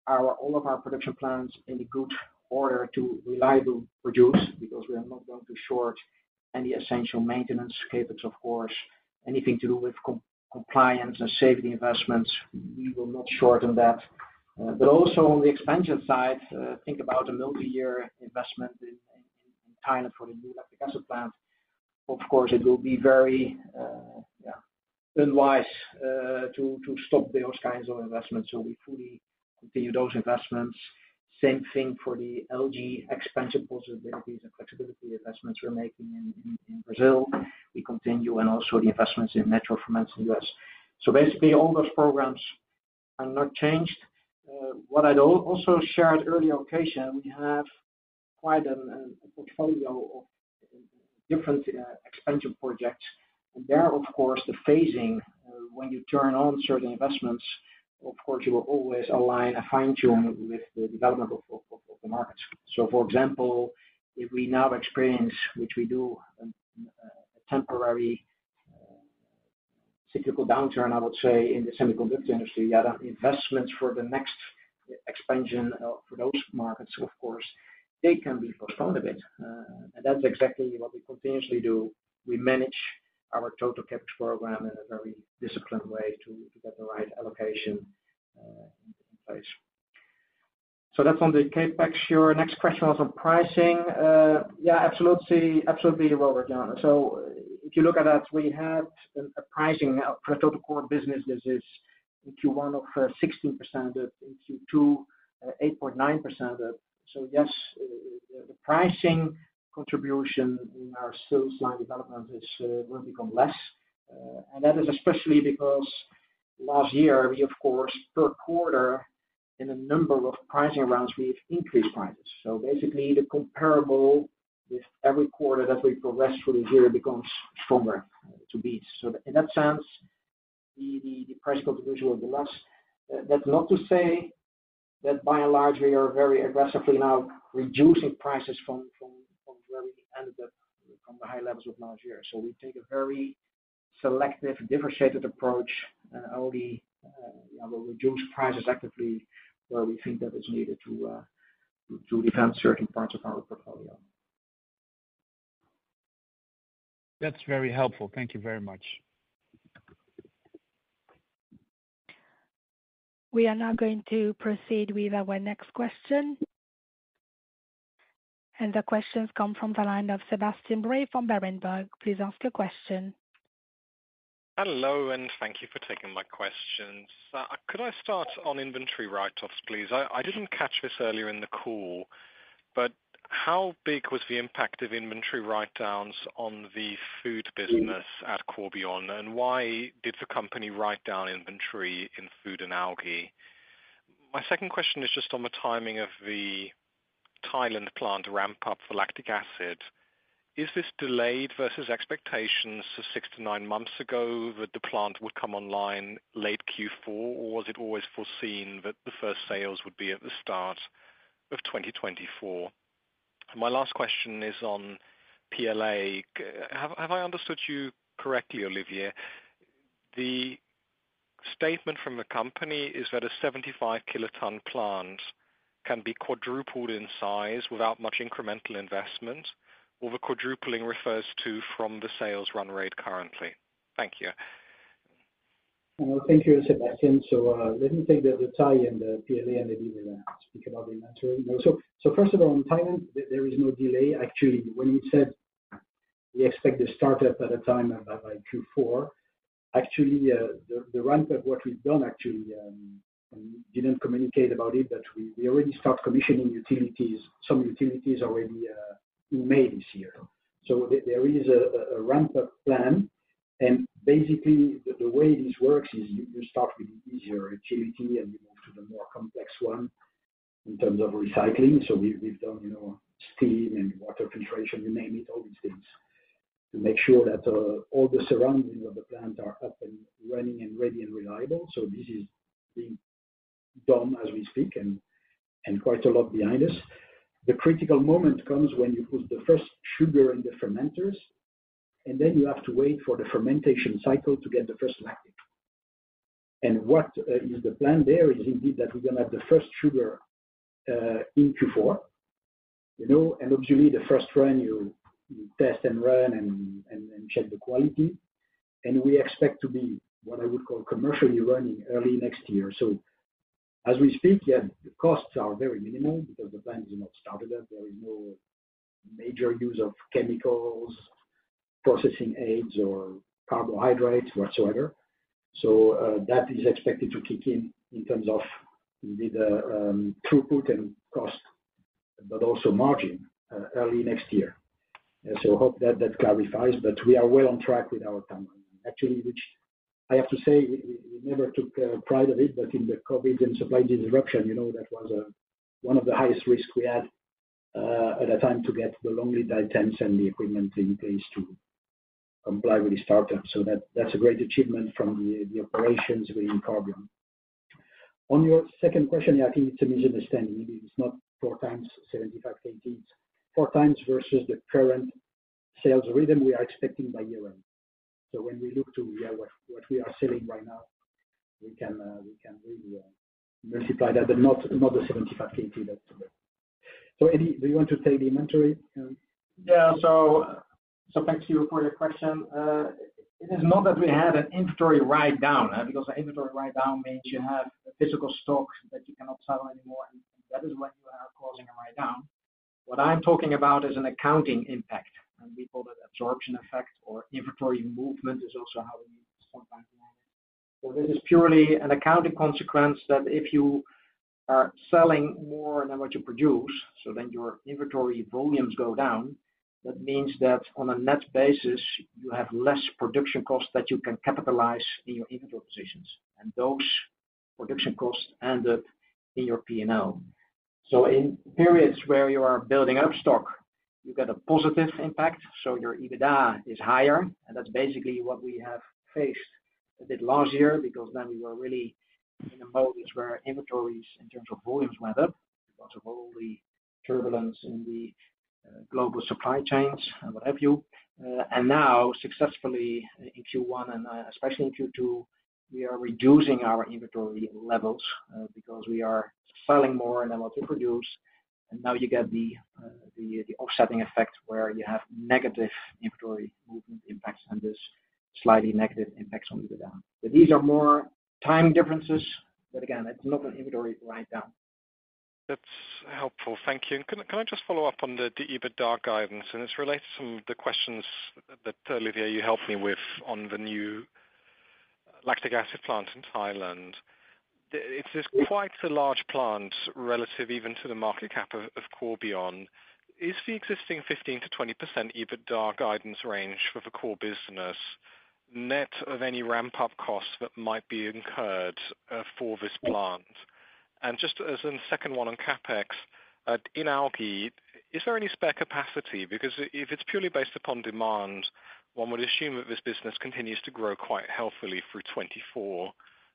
Speaker 3: all of our production plans in good order to reliably produce, because we are not going to short any essential maintenance CapEx, of course, anything to do with compliance and safety investments, we will not shorten that. Also on the expansion side, think about a multi-year investment in China for the new lactic acid plant. Of course, it will be very, yeah, unwise to stop those kinds of investments. We fully continue those investments. Same thing for the algae expansion possibilities and flexibility investments we're making in Brazil. We continue. Also the investments in metro formats in the U.S. Basically, all those programs are not changed. What I'd also shared earlier occasion, we have quite a portfolio of different expansion projects. There, of course, the phasing, when you turn on certain investments, of course, you will always align a fine tune with the development of, of, of, of the markets. For example, if we now experience, which we do, a temporary, cyclical downturn, I would say, in the semiconductor industry, the other investments for the next expansion, for those markets, of course, they can be postponed a bit. That's exactly what we continuously do. We manage our total CapEx program in a very disciplined way to, to get the right allocation, in place. That's on the CapEx. Your next question was on pricing. Yeah, absolutely. Absolutely well, Regina. If you look at that, we had a, a pricing for total core business. This is Q1 of, 16% up in Q2, 8.9% up. Yes, the pricing contribution in our sales line development is, will become less. That is especially because last year, we, of course, per quarter, in a number of pricing rounds, we've increased prices. Basically, the comparable with every quarter that we progress through the year becomes stronger to be. In that sense, the, the, the price contribution will be less. That's not to say that by and large, we are very aggressively now reducing prices from, from, from where we ended up from the high levels of last year. We take a very selective, differentiated approach, and only, we reduce prices actively where we think that it's needed to, to defend certain parts of our portfolio.
Speaker 5: That's very helpful. Thank you very much.
Speaker 4: We are now going to proceed with our next question. The question comes from the line of Sebastian Bray from Berenberg. Please ask your question.
Speaker 6: Hello, and thank you for taking my questions. Could I start on inventory write-offs, please? I, I didn't catch this earlier in the call, but how big was the impact of inventory write-downs on the food business at Corbion? Why did the company write down inventory in food and algae? My second question is just on the timing of the Thailand plant ramp-up for lactic acid. Is this delayed versus expectations to six-nine months ago, that the plant would come online late Q4, or was it always foreseen that the first sales would be at the start of 2024? My last question is on PLA. Have, have I understood you correctly, Olivier? The statement from the company is that a 75 kt plant can be quadrupled in size without much incremental investment, or the quadrupling refers to from the sales run rate currently? Thank you.
Speaker 2: Well, thank you, Sebastian. Let me take the, the Thai and the PLA, and maybe we'll speak about the inventory. First of all, on Thailand, there, there is no delay. Actually, when you said we expect the startup at a time, by Q4, actually, the ramp up, what we've done actually, we didn't communicate about it, but we, we already start commissioning utilities. Some utilities already in May this year. There, there is a, a ramp-up plan, and basically, the, the way this works is you, you start with easier utility, and you move to the more complex one in terms of recycling. We've, we've done, you know, steam and water filtration, you name it, all these things, to make sure that all the surroundings of the plant are up and running and ready and reliable. This is being done as we speak, and, and quite a lot behind us. The critical moment comes when you put the first sugar in the fermenters, and then you have to wait for the fermentation cycle to get the first lactic. What is the plan there is indeed that we're going to have the first sugar in Q4, you know, and obviously the first run you, you test and run and, and, and check the quality. We expect to be, what I would call commercially running early next year. As we speak, yeah, the costs are very minimal because the plant is not started up. There is no major use of chemicals, processing aids, or carbohydrates, whatsoever. That is expected to kick in, in terms of indeed, throughput and cost, but also margin early next year. Hope that, that clarifies, but we are well on track with our timeline. Actually, which I have to say, we, we, we never took pride of it, but in the COVID and supply disruption, you know, that was one of the highest risk we had at that time to get the long lead items and the equipment in place to comply with the startup. That, that's a great achievement from the, the operations within Corbion. On your second question, I think it's a misunderstanding. It's not 4x, 75, 80. It's 4x versus the current sales rhythm we are expecting by year-end. When we look to, yeah, what, what we are selling right now, we can, we can really multiply that, but not, not the 75, 80, that's... Eddy do you want to take the inventory?
Speaker 3: Yeah. Thank you for your question. It is not that we had an inventory write down, because an inventory write down means you have a physical stock that you cannot sell anymore, and that is what you are causing a write down. What I am talking about is an accounting impact, and we call it absorption effect or inventory movement, is also how we sometimes manage. This is purely an accounting consequence that if you are selling more than what you produce, then your inventory volumes go down, that means that on a net basis, you have less production costs that you can capitalize in your inventory positions, and those production costs end up in your P&L. In periods where you are building up stock, you get a positive impact, so your EBITDA is higher. That's basically what we have faced a bit last year, because then we were really in a mode where inventories in terms of volumes went up, because of all the turbulence in the global supply chains and what have you. Now successfully in Q1 and especially in Q2, we are reducing our inventory levels because we are selling more than what we produce. Now you get the offsetting effect, where you have negative inventory movement impacts and this slightly negative impacts on EBITDA. These are more timing differences, but again, it's not an inventory write down.
Speaker 6: That's helpful. Thank you. Can I just follow up on the EBITDA guidance? It's related to some of the questions that Olivier, you helped me with on the new lactic acid plant in Thailand. It is quite a large plant relative even to the market cap of Corbion. Is the existing 15%-20% EBITDA guidance range for the core business, net of any ramp-up costs that might be incurred for this plant? Just as in the second one on CapEx, in algae, is there any spare capacity? If it's purely based upon demand, one would assume that this business continues to grow quite healthily through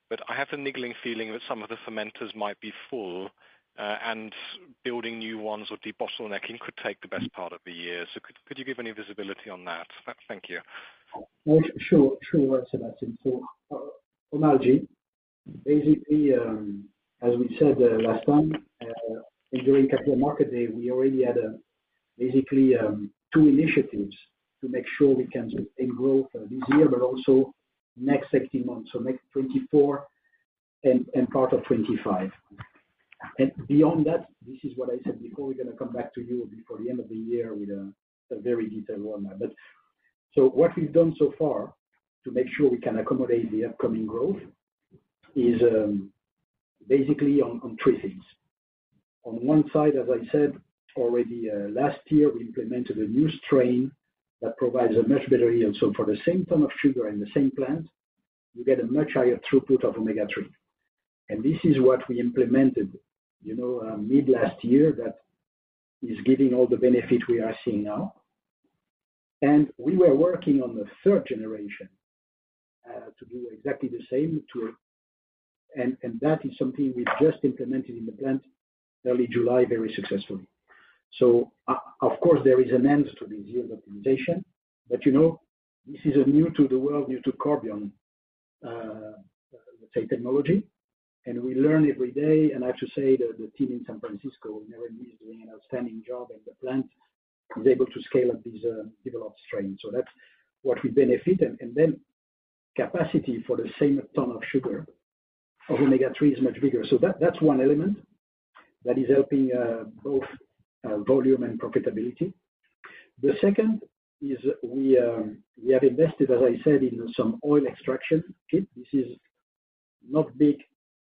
Speaker 6: 2024. I have the niggling feeling that some of the fermenters might be full, and building new ones or debottlenecking could take the best part of the year. Could you give any visibility on that? Thank you.
Speaker 2: Well, sure, sure, Sebastian. On algae, basically, as we said, last time, and during Capital Markets Day, we already had, basically, two initiatives to make sure we can sustain growth this year, but also next 18 months, so next 24 and, and part of 25. Beyond that, this is what I said before, we're going to come back to you before the end of the year with a, a very detailed roadmap. What we've done so far to make sure we can accommodate the upcoming growth is, basically on, on three things. On one side, as I said already, last year, we implemented a new strain that provides a much better yield. For the same ton of sugar in the same plant, you get a much higher throughput of omega-3. This is what we implemented, you know, mid last year that is giving all the benefit we are seeing now. We were working on the third generation to do exactly the same to... that is something we just implemented in the plant early July, very successfully. Of course, there is an end to this yield optimization, but, you know, this is a new to the world, new to Corbion, let's say, technology, and we learn every day. I have to say that the team in San Francisco, never miss, doing an outstanding job, and the plant is able to scale up these developed strains. That's what we benefit. Then capacity for the same ton of sugar for omega-3 is much bigger. That, that's one element that is helping both volume and profitability. The second is we have invested, as I said, in some oil extraction. This is not big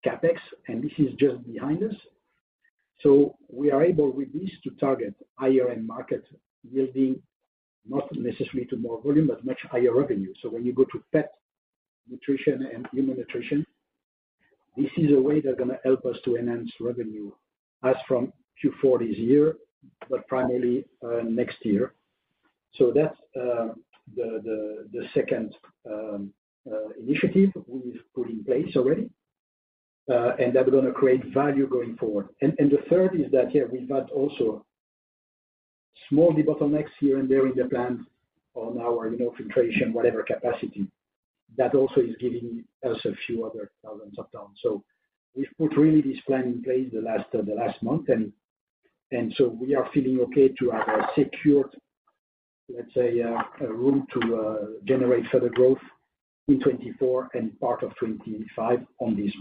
Speaker 2: CapEx, and this is just behind us. We are able, with this, to target higher-end market, yielding not necessarily to more volume, but much higher revenue. When you go to pet nutrition and human nutrition, this is a way that's going to help us to enhance revenue as from Q4 this year, but primarily, next year. That's the second initiative we've put in place already, and that we're gonna create value going forward. The third is that, yeah, we've had also small bottlenecks here and there in the plant on our, you know, filtration, whatever capacity. That also is giving us a few other 1,000s of tons. We've put really this plan in place the last, the last month, and, and so we are feeling okay to have a secured, let's say, a room to generate further growth in 2024 and part of 2025 on this.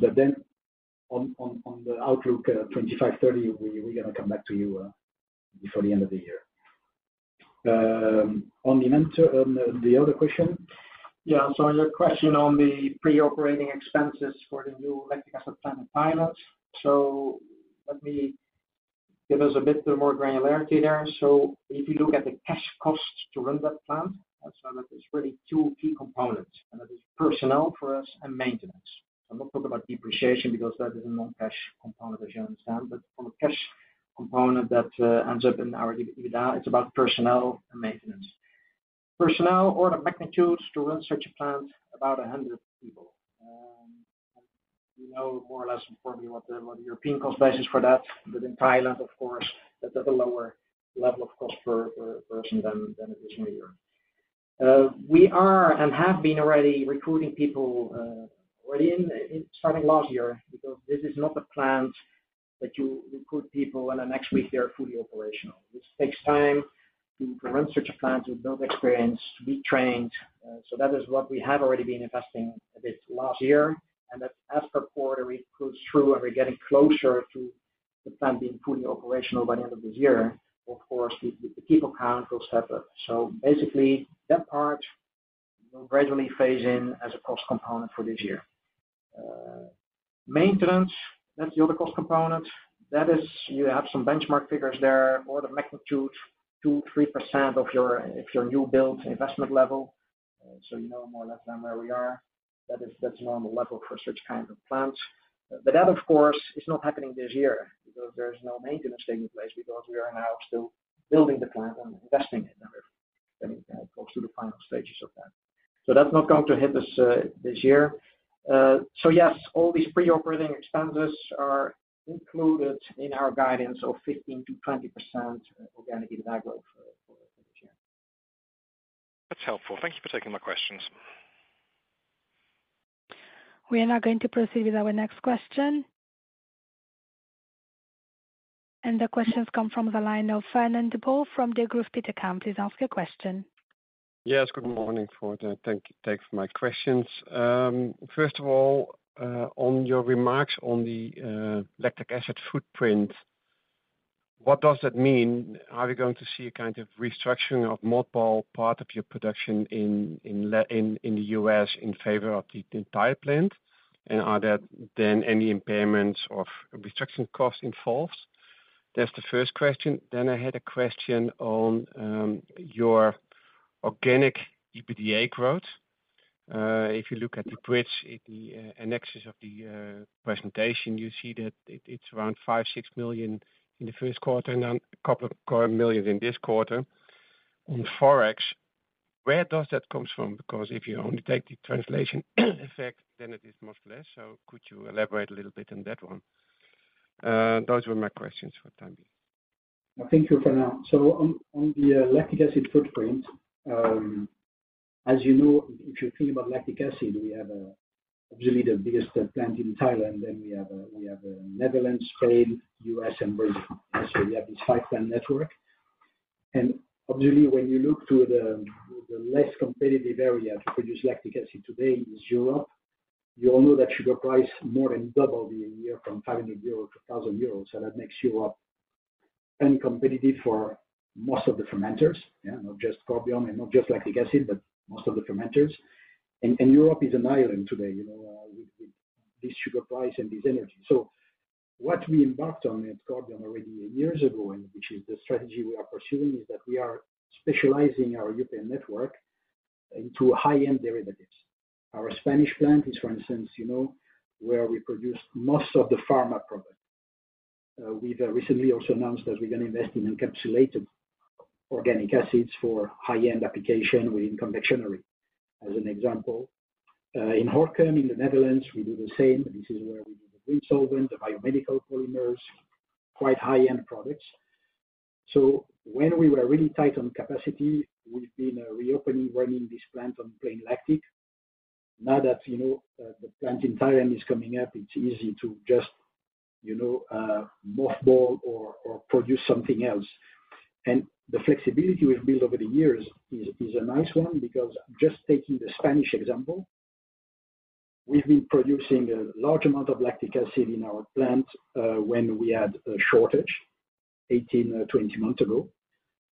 Speaker 2: On, on, on the outlook, 2030, we, we're gonna come back to you before the end of the year. On the mentor, on the, the other question?
Speaker 3: Yeah, on your question on the pre-operating expenses for the new lactic acid plant in Thailand. Let me give us a bit more granularity there. If you look at the cash costs to run that plant, so that is really two key components, and that is personnel for us and maintenance. I'm not talking about depreciation, because that is a non-cash component, as you understand, but from a cash component that ends up in our EBITDA, it's about personnel and maintenance. Personnel, order of magnitude to run such a plant, about 100 people. You know, more or less importantly, what the European cost basis for that. In Thailand, of course, that's at a lower level of cost per, per person than, than it is in Europe. We are and have been already recruiting people, already in, in starting last year, because this is not a plant that you recruit people and the next week they are fully operational. This takes time to run such a plant, to build experience, to be trained. So that is what we have already been investing a bit last year. As per quarter, we cruise through and we're getting closer to the plant being fully operational by the end of this year. Of course, the, the people count will step up. Basically, that part will gradually phase in as a cost component for this year. Maintenance, that's the other cost component. That is, you have some benchmark figures there, order of magnitude, 2%-3% of your, of your new build investment level. You know more or less than where we are. That's a normal level for such kind of plants. That, of course, is not happening this year because there's no maintenance taking place, because we are now still building the plant and investing in it, and it goes through the final stages of that. That's not going to hit us this year. Yes, all these pre-operating expenses are included in our guidance of 15%-20% organic EBITDA growth for this year.
Speaker 6: That's helpful. Thank you for taking my questions.
Speaker 4: We are now going to proceed with our next question. The question comes from the line of Fernand de Boer from DeGroof Petercam. Please ask your question.
Speaker 7: Yes, good morning, forward, and thank you. Thanks for my questions. First of all, on your remarks on the lactic acid footprint, what does that mean? Are we going to see a kind of restructuring of multiple part of your production in the U.S. in favor of the entire plant? Are there then any impairments of restructuring costs involved? That's the first question. I had a question on your organic EBITDA growth. If you look at the bridge in the annexes of the presentation, you see that it's around 5 million-6 million in the first quarter, and then a EUR couple current million in this quarter. On Forex, where does that comes from? If you only take the translation effect, then it is much less. Could you elaborate a little bit on that one? Those were my questions for the time being.
Speaker 2: Thank you, Fernand. On the lactic acid footprint, as you know, if you think about lactic acid, we have obviously the biggest plant in Thailand, we have a Netherlands, Spain, U.S., and Brazil. We have this 5x network. Obviously, when you look to the less competitive area to produce lactic acid today is Europe. You all know that sugar price more than double the year from 500 euros to 1,000 euros, so that makes you up uncompetitive for most of the fermenters. Yeah, not just Corbion and not just lactic acid, but most of the fermenters. Europe is an island today, you know, with this sugar price and this energy. What we embarked on at Corbion already years ago, and which is the strategy we are pursuing, is that we are specializing our European network into high-end derivatives. Our Spanish plant is, for instance, you know, where we produce most of the pharma products. We've recently also announced that we're going to invest in encapsulated organic acids for high-end application within confectionery, as an example. In Gorinchem, in the Netherlands, we do the same. This is where we do the green solvent, the biomedical polymers, quite high-end products. When we were really tight on capacity, we've been reopening, running this plant on plain lactic. Now that, you know, the plant in Thailand is coming up, it's easy to just, you know, mothball or, or produce something else. The flexibility we've built over the years is, is a nice one, because just taking the Spanish example, we've been producing a large amount of lactic acid in our plant, when we had a shortage 18, 20 months ago.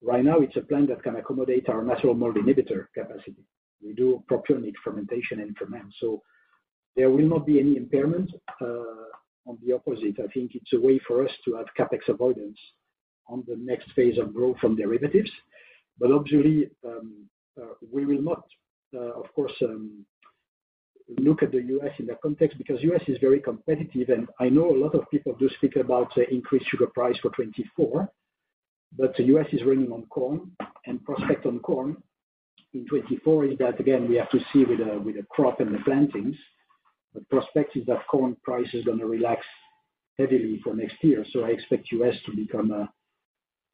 Speaker 2: Right now, it's a plant that can accommodate our natural mold inhibitor capacity. We do properly fermentation and ferment, so there will not be any impairment. On the opposite, I think it's a way for us to have CapEx avoidance on the next phase of growth from derivatives. Obviously, we will not, of course, look at the U.S. in that context, because U.S. is very competitive. I know a lot of people do speak about increased sugar price for 2024, but the U.S. is running on corn. Prospect on corn in 2024 is that again, we have to see with the, with the crop and the plantings. The prospect is that corn price is gonna relax heavily for next year. I expect U.S. to become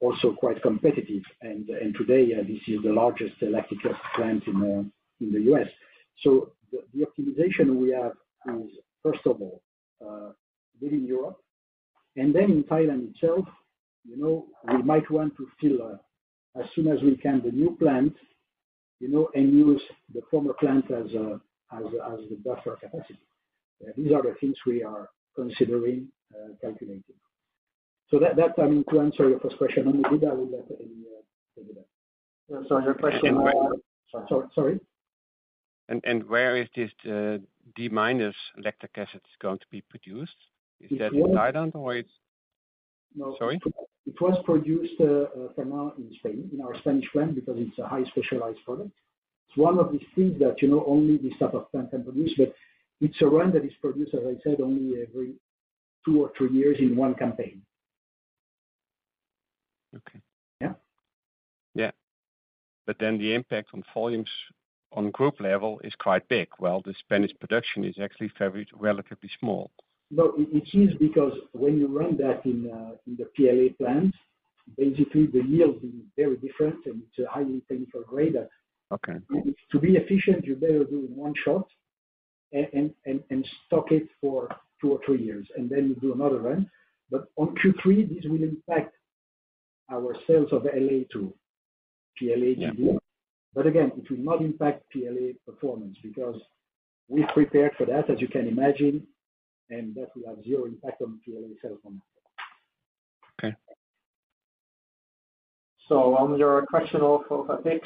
Speaker 2: also quite competitive. Today, this is the largest electric plant in the U.S. The optimization we have is, first of all, within Europe, and then in Thailand itself, you know, we might want to fill as soon as we can, the new plant, you know, and use the former plant as the buffer capacity. These are the things we are considering, calculating. That, that, I mean, to answer your first question, and we did that with that in the.
Speaker 3: Your question.
Speaker 2: Sorry, sorry?
Speaker 7: Where is this D-lactic acid going to be produced? Is that in Thailand or it's?
Speaker 2: No.
Speaker 7: Sorry?
Speaker 2: It was produced, for now in Spain, in our Spanish plant, because it's a high specialized product. It's one of the things that, you know, only this type of plant can produce, but it's a run that is produced, as I said, only every two or three years in one campaign.
Speaker 7: Okay.
Speaker 2: Yeah.
Speaker 7: Yeah. Then the impact on volumes on group level is quite big, while the Spanish production is actually very relatively small.
Speaker 2: Well, it, it is because when you run that in, in the PLA plants, basically the yield is very different, and it's highly painful grader.
Speaker 7: Okay.
Speaker 2: To be efficient, you better do it in one shot and stock it for two or three years, and then you do another run. On Q3, this will impact our sales of LA to PLA2.
Speaker 7: Yeah.
Speaker 2: Again, it will not impact PLA performance, because we prepared for that, as you can imagine, and that will have zero impact on PLA sales.
Speaker 7: Okay.
Speaker 3: On your question of, of CapEx,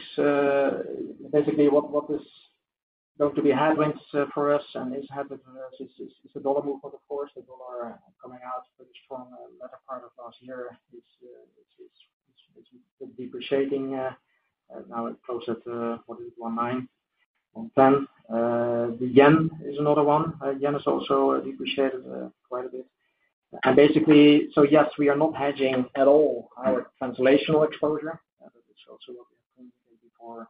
Speaker 3: basically, what, what is going to be headwinds for us and is headwinds is, is available for the force that are coming out for the strong latter part of last year, is, which is depreciating, now it's closer to, what is it? One-nine, on ten. The Yen is another one. The Yen is also depreciated, quite a bit. Basically, so yes, we are not hedging at all our translational exposure. That is also what we have before.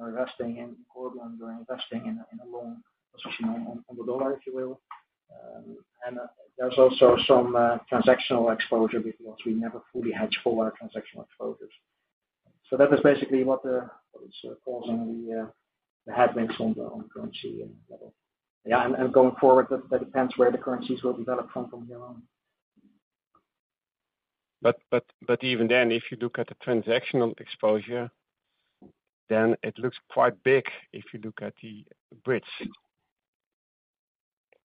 Speaker 3: We are investing in Portland, we're investing in a, in a long position on, on the Dollar, if you will. And there's also some, transactional exposure because we never fully hedge for our transactional exposures. That is basically what, what is causing the, the headwinds on the, on currency level. Yeah, and going forward, that depends where the currencies will develop from, from here on.
Speaker 7: Even then, if you look at the transactional exposure, then it looks quite big if you look at the bridge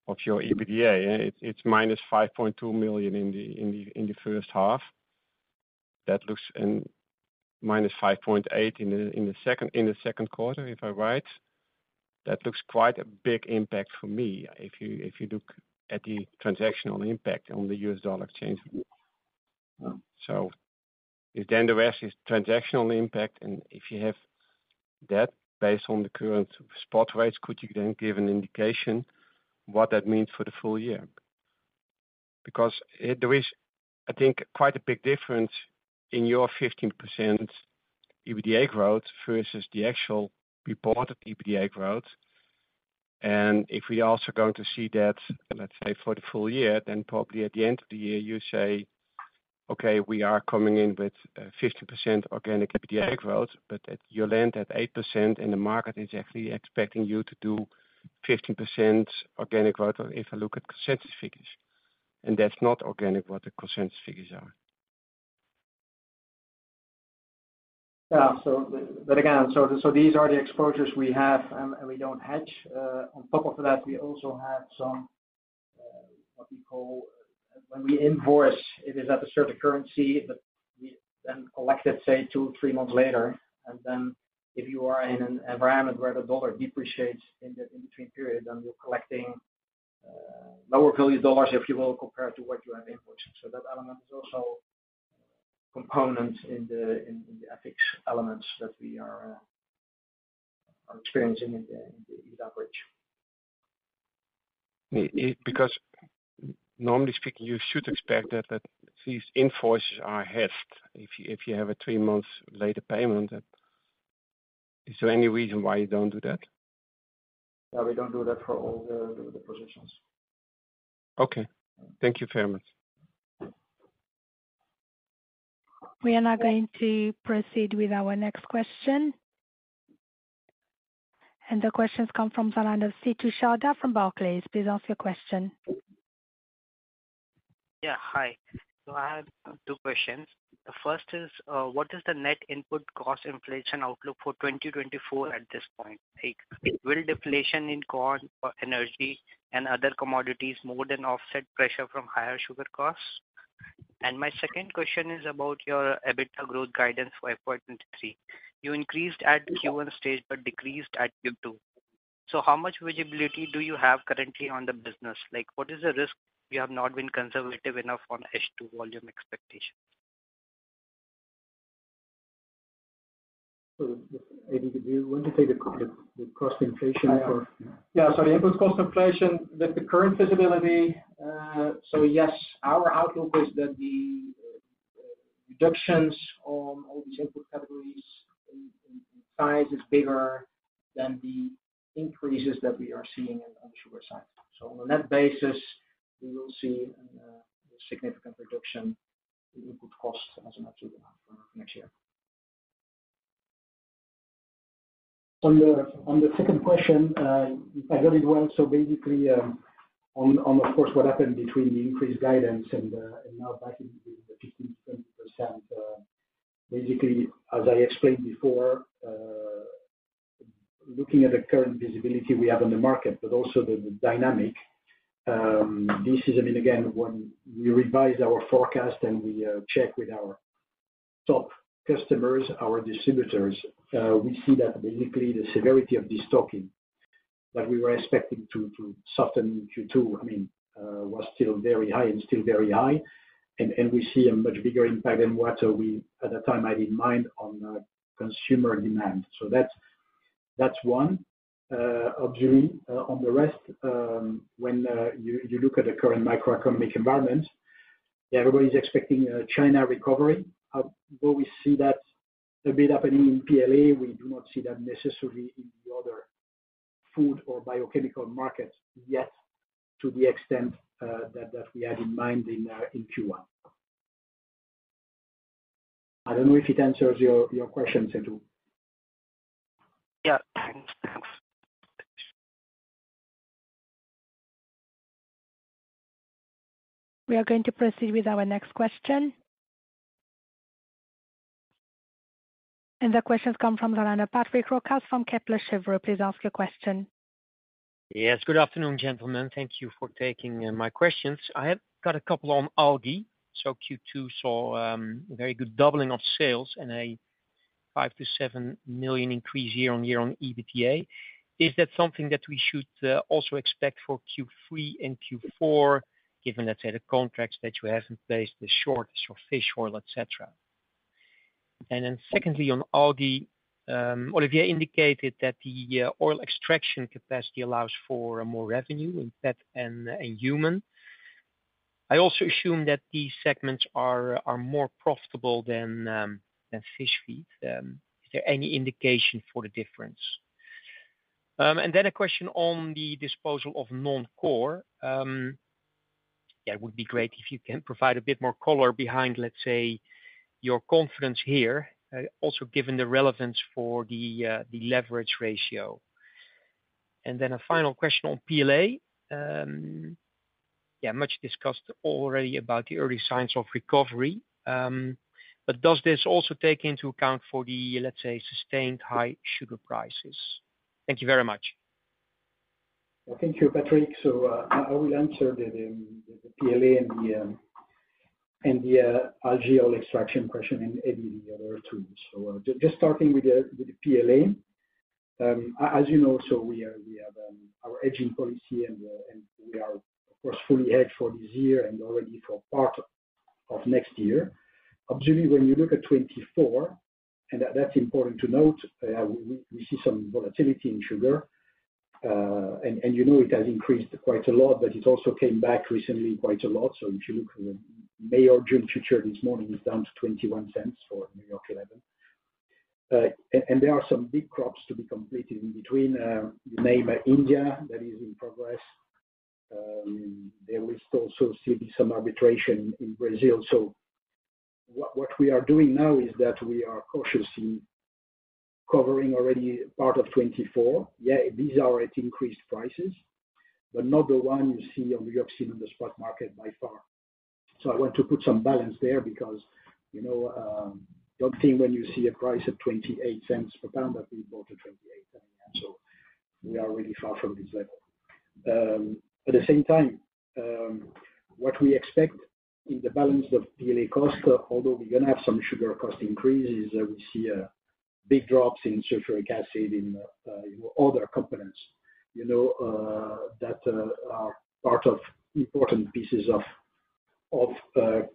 Speaker 7: of your EBITDA, it's, it's -$5.2 million in the first half. That looks in minus $5.8 million in the second quarter, if I'm right. That looks quite a big impact for me, if you, if you look at the transactional impact on the U.S. dollar exchange rate. If then the rest is transactional impact, and if you have that based on the current spot rates, could you then give an indication what that means for the full year? Because there is, I think, quite a big difference in your 15% EBITDA growth versus the actual reported EBITDA growth. If we are also going to see that, let's say, for the full year, then probably at the end of the year, you say, "Okay, we are coming in with 50% organic EBITDA growth," but you land at 8%, and the market is actually expecting you to do 15% organic growth if I look at consensus figures, and that's not organic, what the consensus figures are.
Speaker 3: Yeah. But again, these are the exposures we have. We don't hedge. On top of that, we also have some, what we call... When we invoice, it is at a certain currency, but we then collect, let's say, two, three months later. If you are in an environment where the dollar depreciates in the in between period, then you're collecting lower value dollars, if you will, compared to what you have invoiced. That element is also components in the FX elements that we are experiencing in that bridge.
Speaker 7: Normally speaking, you should expect that, that these invoices are hedged if you, if you have a three months later payment. Is there any reason why you don't do that?
Speaker 3: We don't do that for all the, the positions.
Speaker 7: Okay. Thank you very much.
Speaker 4: We are now going to proceed with our next question. The question comes from Setu Sharda, from Barclays. Please ask your question.
Speaker 8: Yeah, hi. I have two questions. The first is, what is the net input cost inflation outlook for 2024 at this point? Like, will deflation in corn or energy and other commodities more than offset pressure from higher sugar costs? My second question is about your EBITDA growth guidance for 2023. You increased at Q1, but decreased at Q2. How much visibility do you have currently on the business? Like, what is the risk you have not been conservative enough on H2 volume expectation?...
Speaker 2: Eddy, do you want to take the, the cost inflation for...
Speaker 3: Yeah, the input cost inflation with the current visibility, so yes, our outlook is that the reductions on all these input categories in, in size is bigger than the increases that we are seeing on the sugar side. On a net basis, we will see, a significant reduction in input costs as an absolute for next year.
Speaker 2: On the, on the second question, I heard it well. Basically, on, on, of course, what happened between the increased guidance and now back in the 15%-20%, basically, as I explained before, looking at the current visibility we have on the market, but also the dynamic, this is, I mean, again, when we revise our forecast and we check with our top customers, our distributors, we see that basically the severity of this stocking that we were expecting to, to soften in Q2, I mean, was still very high and still very high, and, and we see a much bigger impact than what we at that time had in mind on consumer demand. That's, that's one observing. On the rest, when you look at the current macroeconomic environment, everybody's expecting a China recovery. Well, we see that a bit happening in PLA. We do not see that necessarily in the other food or biochemical markets yet to the extent that we had in mind in Q1. I don't know if it answers your question, Andrew.
Speaker 8: Yeah. Thanks. Thanks.
Speaker 4: We are going to proceed with our next question. The question comes from the line of Patrick Roquas from Kepler Cheuvreux. Please ask your question.
Speaker 9: Yes, good afternoon, gentlemen. Thank you for taking my questions. I have got a couple on Algae. Q2 saw a very good doubling of sales and a 5 million-7 million increase year-on-year on EBITDA. Is that something that we should also expect for Q3 and Q4, given, let's say, the contracts that you have in place, the shortage of fish oil, et cetera? Secondly, on Algae, Olivier indicated that the oil extraction capacity allows for more revenue in pet and human. I also assume that these segments are more profitable than fish feed. Is there any indication for the difference? A question on the disposal of non-core. Yeah, it would be great if you can provide a bit more color behind, let's say, your confidence here, also given the relevance for the leverage ratio. Then a final question on PLA. Yeah, much discussed already about the early signs of recovery, but does this also take into account for the, let's say, sustained high sugar prices? Thank you very much.
Speaker 2: Well, thank you, Patrick. I will answer the PLA and the algae oil extraction question, and Eddy, the other two. Just starting with the PLA. As you know, we are, we have our hedging policy, and we are, of course, fully hedged for this year and already for part of next year. Obviously, when you look at 2024, and that's important to note, we see some volatility in sugar, and you know, it has increased quite a lot, but it also came back recently quite a lot. If you look at the May or June future, this morning, it's down to $0.21 for Sugar No. 11. There are some big crops to be completed in between, you name it, India, that is in progress. There is also still be some arbitration in Brazil. What we are doing now is that we are cautiously covering already part of 2024. Yeah, these are at increased prices, but not the one you see, or you have seen on the spot market by far. I want to put some balance there because, you know, don't think when you see a price of $0.28 per pound, that we bought at $0.28. We are really far from this level. At the same time, what we expect in the balance of PLA cost, although we're going to have some sugar cost increases, we see big drops in sulfuric acid, in other components, you know, that are part of important pieces of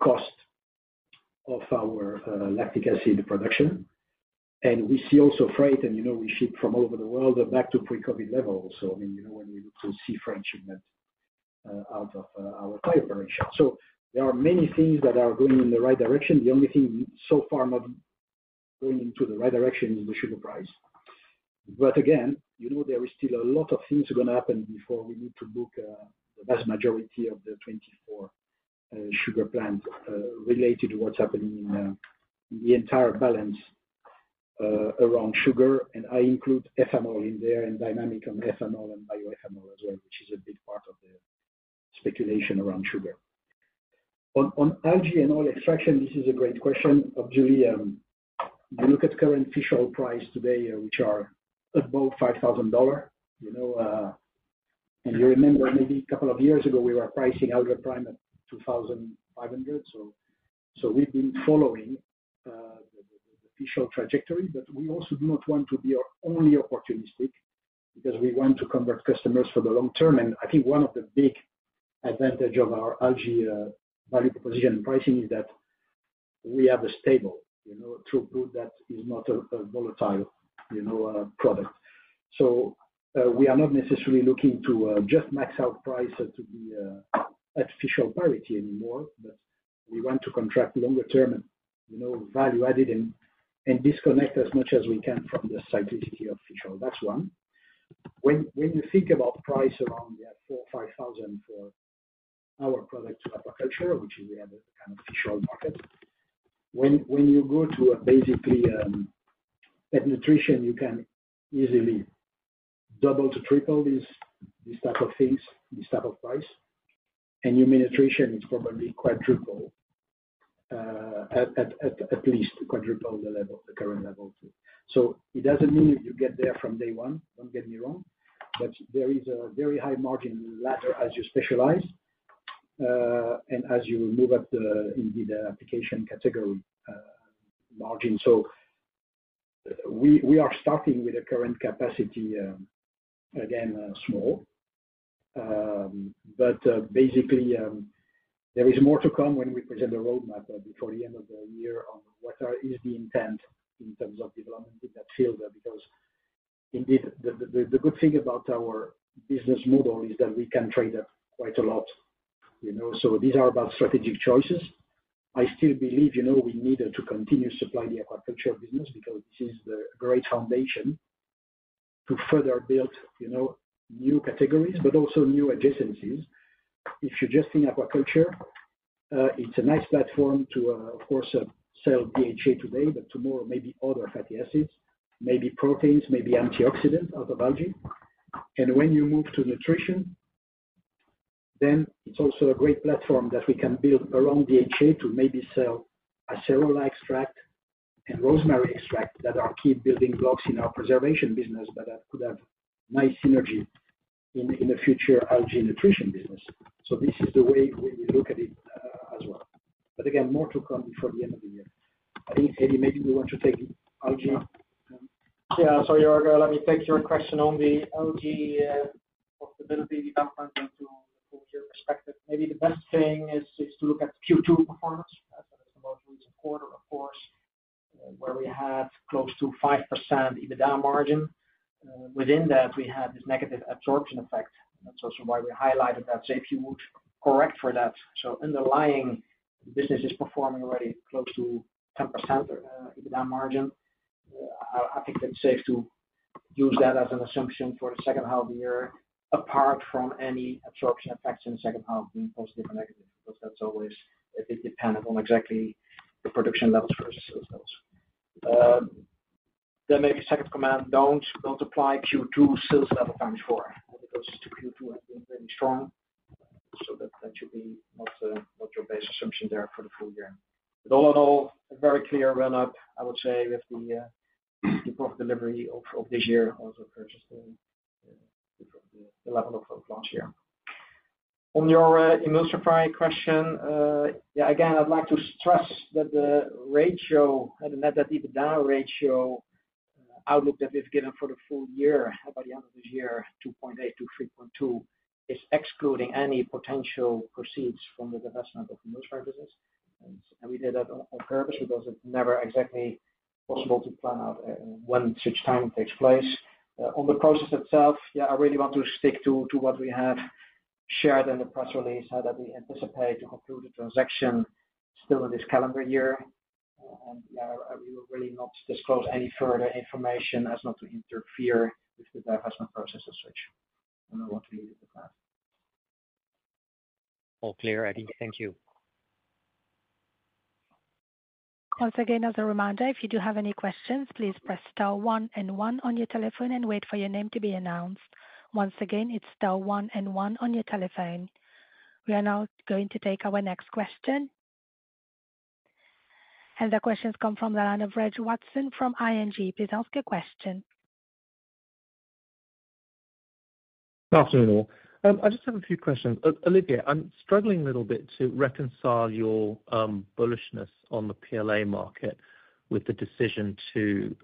Speaker 2: cost of our lactic acid production. And we see also freight, and, you know, we ship from all over the world back to pre-COVID level. So, I mean, you know, when you look to sea freight shipment out of our fiber ratio. So there are many things that are going in the right direction. The only thing so far not going into the right direction is the sugar price. Again, you know, there is still a lot of things are going to happen before we need to book the vast majority of the 24 sugar plant related to what's happening in the entire balance around sugar. I include ethanol in there, and dynamic on ethanol and bioethanol as well, which is a big part of the speculation around sugar. On Algi and oil extraction, this is a great question. Obviously, you look at current fish oil price today, which are above $5,000, you know, and you remember maybe a couple of years ago, we were pricing AlgaPrime at $2,500. We've been following the fish oil trajectory, but we also do not want to be only opportunistic because we want to convert customers for the long term. I think one of the advantage of our algae value proposition and pricing is that we have a stable, you know, throughput that is not a, a volatile, you know, product. We are not necessarily looking to just max out price so to be at official parity anymore, but we want to contract longer term and, you know, value added and disconnect as much as we can from the cyclicity of official. That's one. When you think about price around $4,000-$5,000 for our product to aquaculture, which is we have a kind of official market. When you go to a basically pet nutrition, you can easily double to triple these, these type of things, these type of price. Human nutrition is probably quadruple, at least quadruple the level, the current level to. It doesn't mean you get there from day one, don't get me wrong, but there is a very high margin ladder as you specialize, and as you move up the, indeed, the application category, margin. We, we are starting with a current capacity, again, small. Basically, there is more to come when we present a roadmap before the end of the year on what are, is the intent in terms of development in that field. Because indeed, the, the, the good thing about our business model is that we can trade up quite a lot, you know, so these are about strategic choices. I still believe, you know, we need to continue supplying the aquaculture business because this is the great foundation to further build, you know, new categories, but also new adjacencies. If you're just in aquaculture, it's a nice platform to, of course, sell DHA today, but tomorrow, maybe other fatty acids, maybe proteins, maybe antioxidants out of algae. When you move to nutrition, then it's also a great platform that we can build around DHA to maybe sell acerola extract and rosemary extract that are key building blocks in our preservation business, but that could have nice synergy in, in the future algae nutrition business. This is the way we look at it, as well. Again, more to come before the end of the year. I think, Eddy, maybe we want to take algae?
Speaker 3: Yeah. Oliver let me take your question on the algae profitability development into from your perspective, maybe the best thing is, is to look at Q2 performance as the most recent quarter, of course, where we had close to 5% EBITDA margin. Within that, we had this negative absorption effect. That's also why we highlighted that. If you would correct for that, underlying business is performing already close to 10% EBITDA margin. I think it's safe to use that as an assumption for the second half of the year, apart from any absorption effects in the second half, being positive or negative, because that's always a bit dependent on exactly the production levels versus sales goals. Maybe second command, don't apply Q2 sales level x4, because Q2 has been very strong. That, that should be not, not your base assumption there for the full year. All in all, a very clear run-up, I would say, with the, the profit delivery of, of this year also purchasing the level of last year. On your, emulsifier question, yeah, again, I'd like to stress that the ratio, the net EBITDA ratio, outlook that we've given for the full year, by the end of this year, 2.8-3.2, is excluding any potential proceeds from the divestment of emulsifiers business. We did that on, on purpose because it's never exactly possible to plan out, when such time takes place. On the process itself, I really want to stick to, to what we have shared in the press release, so that we anticipate to conclude the transaction still in this calendar year. We will really not disclose any further information as not to interfere with the divestment process research, and I want to leave it the past.
Speaker 9: All clear, Eddy. Thank you.
Speaker 4: Once again, as a reminder, if you do have any questions, please press star 1 and 1 on your telephone and wait for your name to be announced. Once again, it's star 1 and 1 on your telephone. We are now going to take our next question. The question comes from the line of Reg Watson from ING. Please ask your question.
Speaker 10: Good afternoon, all. I just have a few questions. Olivier, I'm struggling a little bit to reconcile your bullishness on the PLA market with the decision to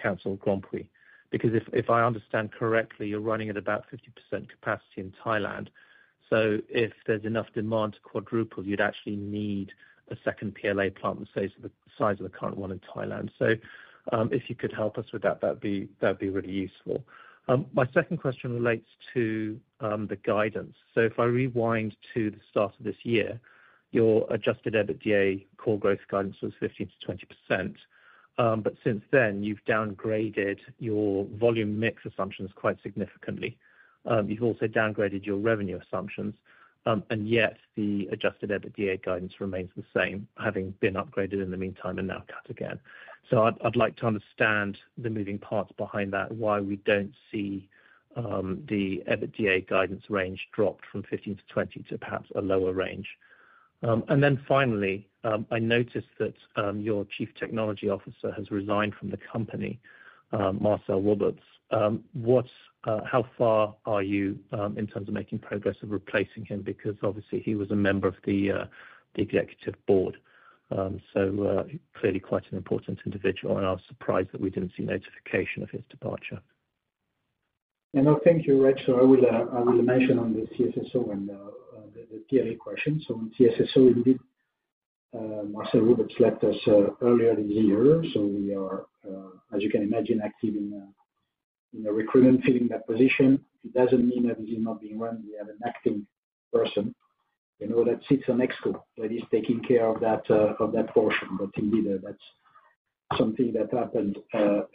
Speaker 10: counsel Grand Prix. If I understand correctly, you're running at about 50% capacity in Thailand, so if there's enough demand to quadruple, you'd actually need a second PLA plant the size, the size of the current one in Thailand. If you could help us with that, that'd be really useful. My second question relates to the guidance. If I rewind to the start of this year, your adjusted EBITDA core growth guidance was 15%-20%. Since then, you've downgraded your volume mix assumptions quite significantly. You've also downgraded your revenue assumptions, and yet the adjusted EBITDA guidance remains the same, having been upgraded in the meantime and now cut again. I'd, I'd like to understand the moving parts behind that, why we don't see the EBITDA guidance range dropped from 15-20 to perhaps a lower range? And then finally, I noticed that your Chief Technology Officer has resigned from the company, Marcel Wubbolts. What's how far are you in terms of making progress of replacing him? Because obviously, he was a member of the executive board. Clearly quite an important individual, and I was surprised that we didn't see notification of his departure.
Speaker 2: No, thank you, Rich. I will mention on the CSSO and the PLA question. In CSSO, we did Marcel Wubbolts left us earlier this year, we are as you can imagine, active in the recruitment, filling that position. It doesn't mean that it is not being run. We have an acting person, you know, that sits on EXCO, that is taking care of that portion. Indeed, that's something that happened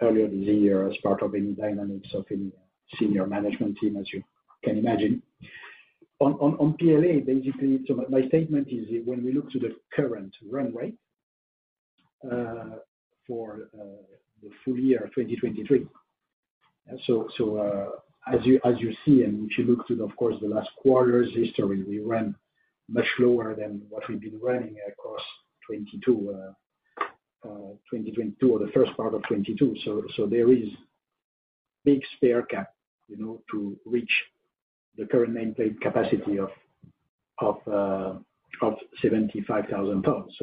Speaker 2: earlier this year as part of any dynamics of any senior management team, as you can imagine. On PLA, basically, my statement is when we look to the current runway for the full year 2023. As you see, if you look to, of course, the last quarter's history, we ran much lower than what we've been running across 2022 or the first part of 2022. There is big spare cap, you know, to reach the current nameplate capacity of 75,000 tons.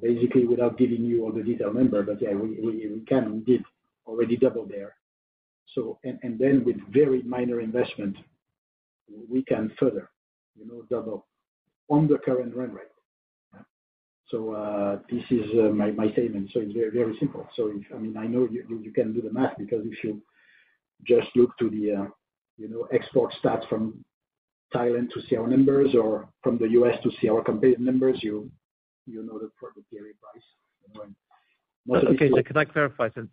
Speaker 2: Basically, without giving you all the detail number, but, we can, we did already double there. With very minor investment, we can further, you know, double on the current run rate. This is my statement. It's very, very simple. I mean, I know you, you can do the math, because if you just look to the, you know, export stats from Thailand to see our numbers or from the U.S. to see our competitive numbers, you, you know, the product very price, you know?
Speaker 10: Okay. Can I clarify something?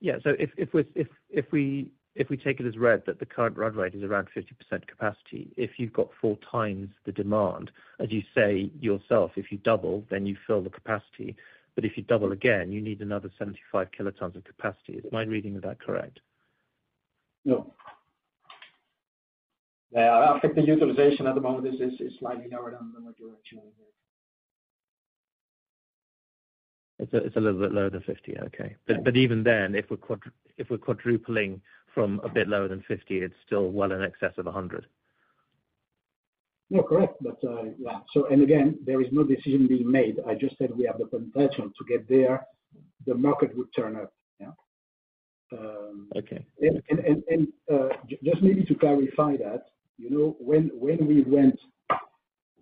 Speaker 10: Yeah, if, if we're, if, if we, if we take it as read that the current run rate is around 50% capacity, if you've got 4x the demand, as you say yourself, if you double, then you fill the capacity. If you double again, you need another 75 kt of capacity. Is my reading of that correct?
Speaker 3: No. Yeah, I think the utilization at the moment is slightly lower than what you're actually doing.
Speaker 10: It's a, it's a little bit lower than 50, okay.
Speaker 2: Yeah.
Speaker 10: But even then, if we're quadrupling from a bit lower than 50, it's still well in excess of 100.
Speaker 2: Yeah, correct. Yeah. Again, there is no decision being made. I just said we have the potential to get there. The market would turn up, yeah?
Speaker 10: Okay.
Speaker 2: Just maybe to clarify that, you know, when, when we went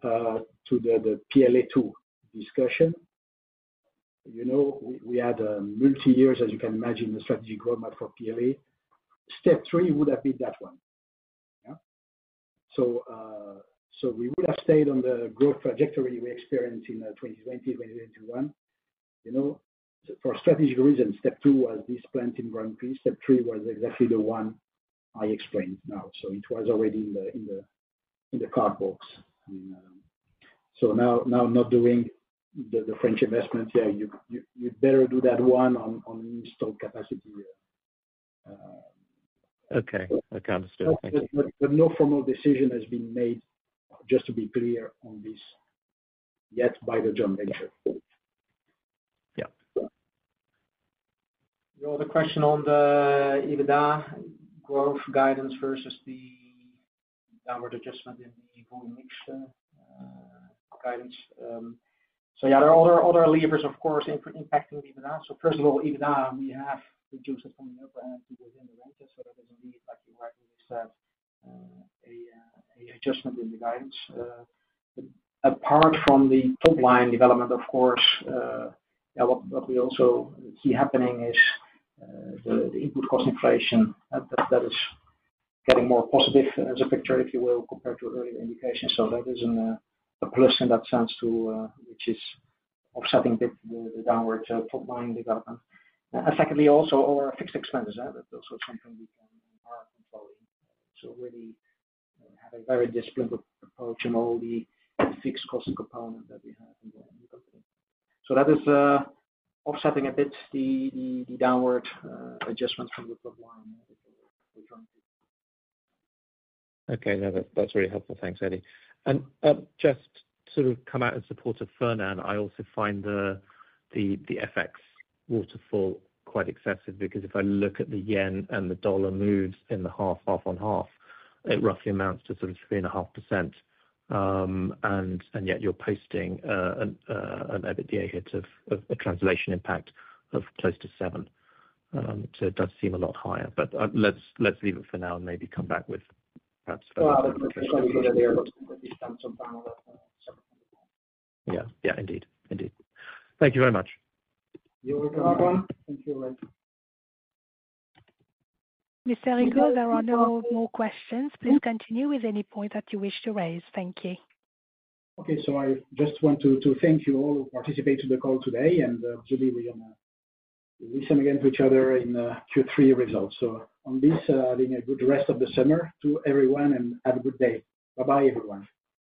Speaker 2: to the PLA plant discussion, you know, we had multi-years, as you can imagine, the strategic roadmap for PLA. Step three would have been that one. Yeah. We would have stayed on the growth trajectory we experienced in 2020, 2021. You know, for strategic reasons, step two was this plant in Grand Prix. Step three was exactly the one I explained now. It was already in the, in the, in the card box. I mean, Now, now not doing the French investment, yeah, you, you, you better do that one on, on installed capacity.
Speaker 10: Okay. Okay, understood. Thank you.
Speaker 2: No formal decision has been made, just to be clear on this, yet by the joint venture.
Speaker 10: Yeah.
Speaker 3: The other question on the EBITDA growth guidance versus the downward adjustment in the volume mix, guidance. Yeah, there are other, other levers, of course, impacting EBITDA. First of all, EBITDA, we have reduced it from the upper end within the range. That is indeed, like you rightly said, a, a adjustment in the guidance. Apart from the top line development, of course, yeah, what, what we also see happening is, the, the input cost inflation, that, that is getting more positive as a picture, if you will, compared to earlier indications. That is a plus in that sense to, which is offsetting bit the downwards top line development. Secondly, also our fixed expenses, that's also something we can, are controlling. really have a very disciplined approach in all the fixed cost component that we have in the company. That is offsetting a bit the, the, the downward, adjustments from the top line.
Speaker 10: Okay, now that, that's very helpful. Thanks, Eddy. Just to come out in support of Fernand, I also find the FX waterfall quite excessive, because if I look at the yen and the dollar moves in the half, half on half, it roughly amounts to sort of 3.5%. And yet you're posting an EBITDA hit of a translation impact of close to 7%. It does seem a lot higher, but let's, let's leave it for now and maybe come back with perhaps-
Speaker 3: Well, I think we can go there, but we spent some time on that.
Speaker 10: Yeah. Yeah, indeed. Indeed. Thank you very much.
Speaker 3: You're welcome.
Speaker 2: Thank you, Rich.
Speaker 4: Mr. Rigaud, there are no more questions. Please continue with any point that you wish to raise. Thank you.
Speaker 2: I just want to thank you all who participated in the call today, and surely we listen again to each other in Q3 results. On this, having a good rest of the summer to everyone, and have a good day. Bye-bye, everyone.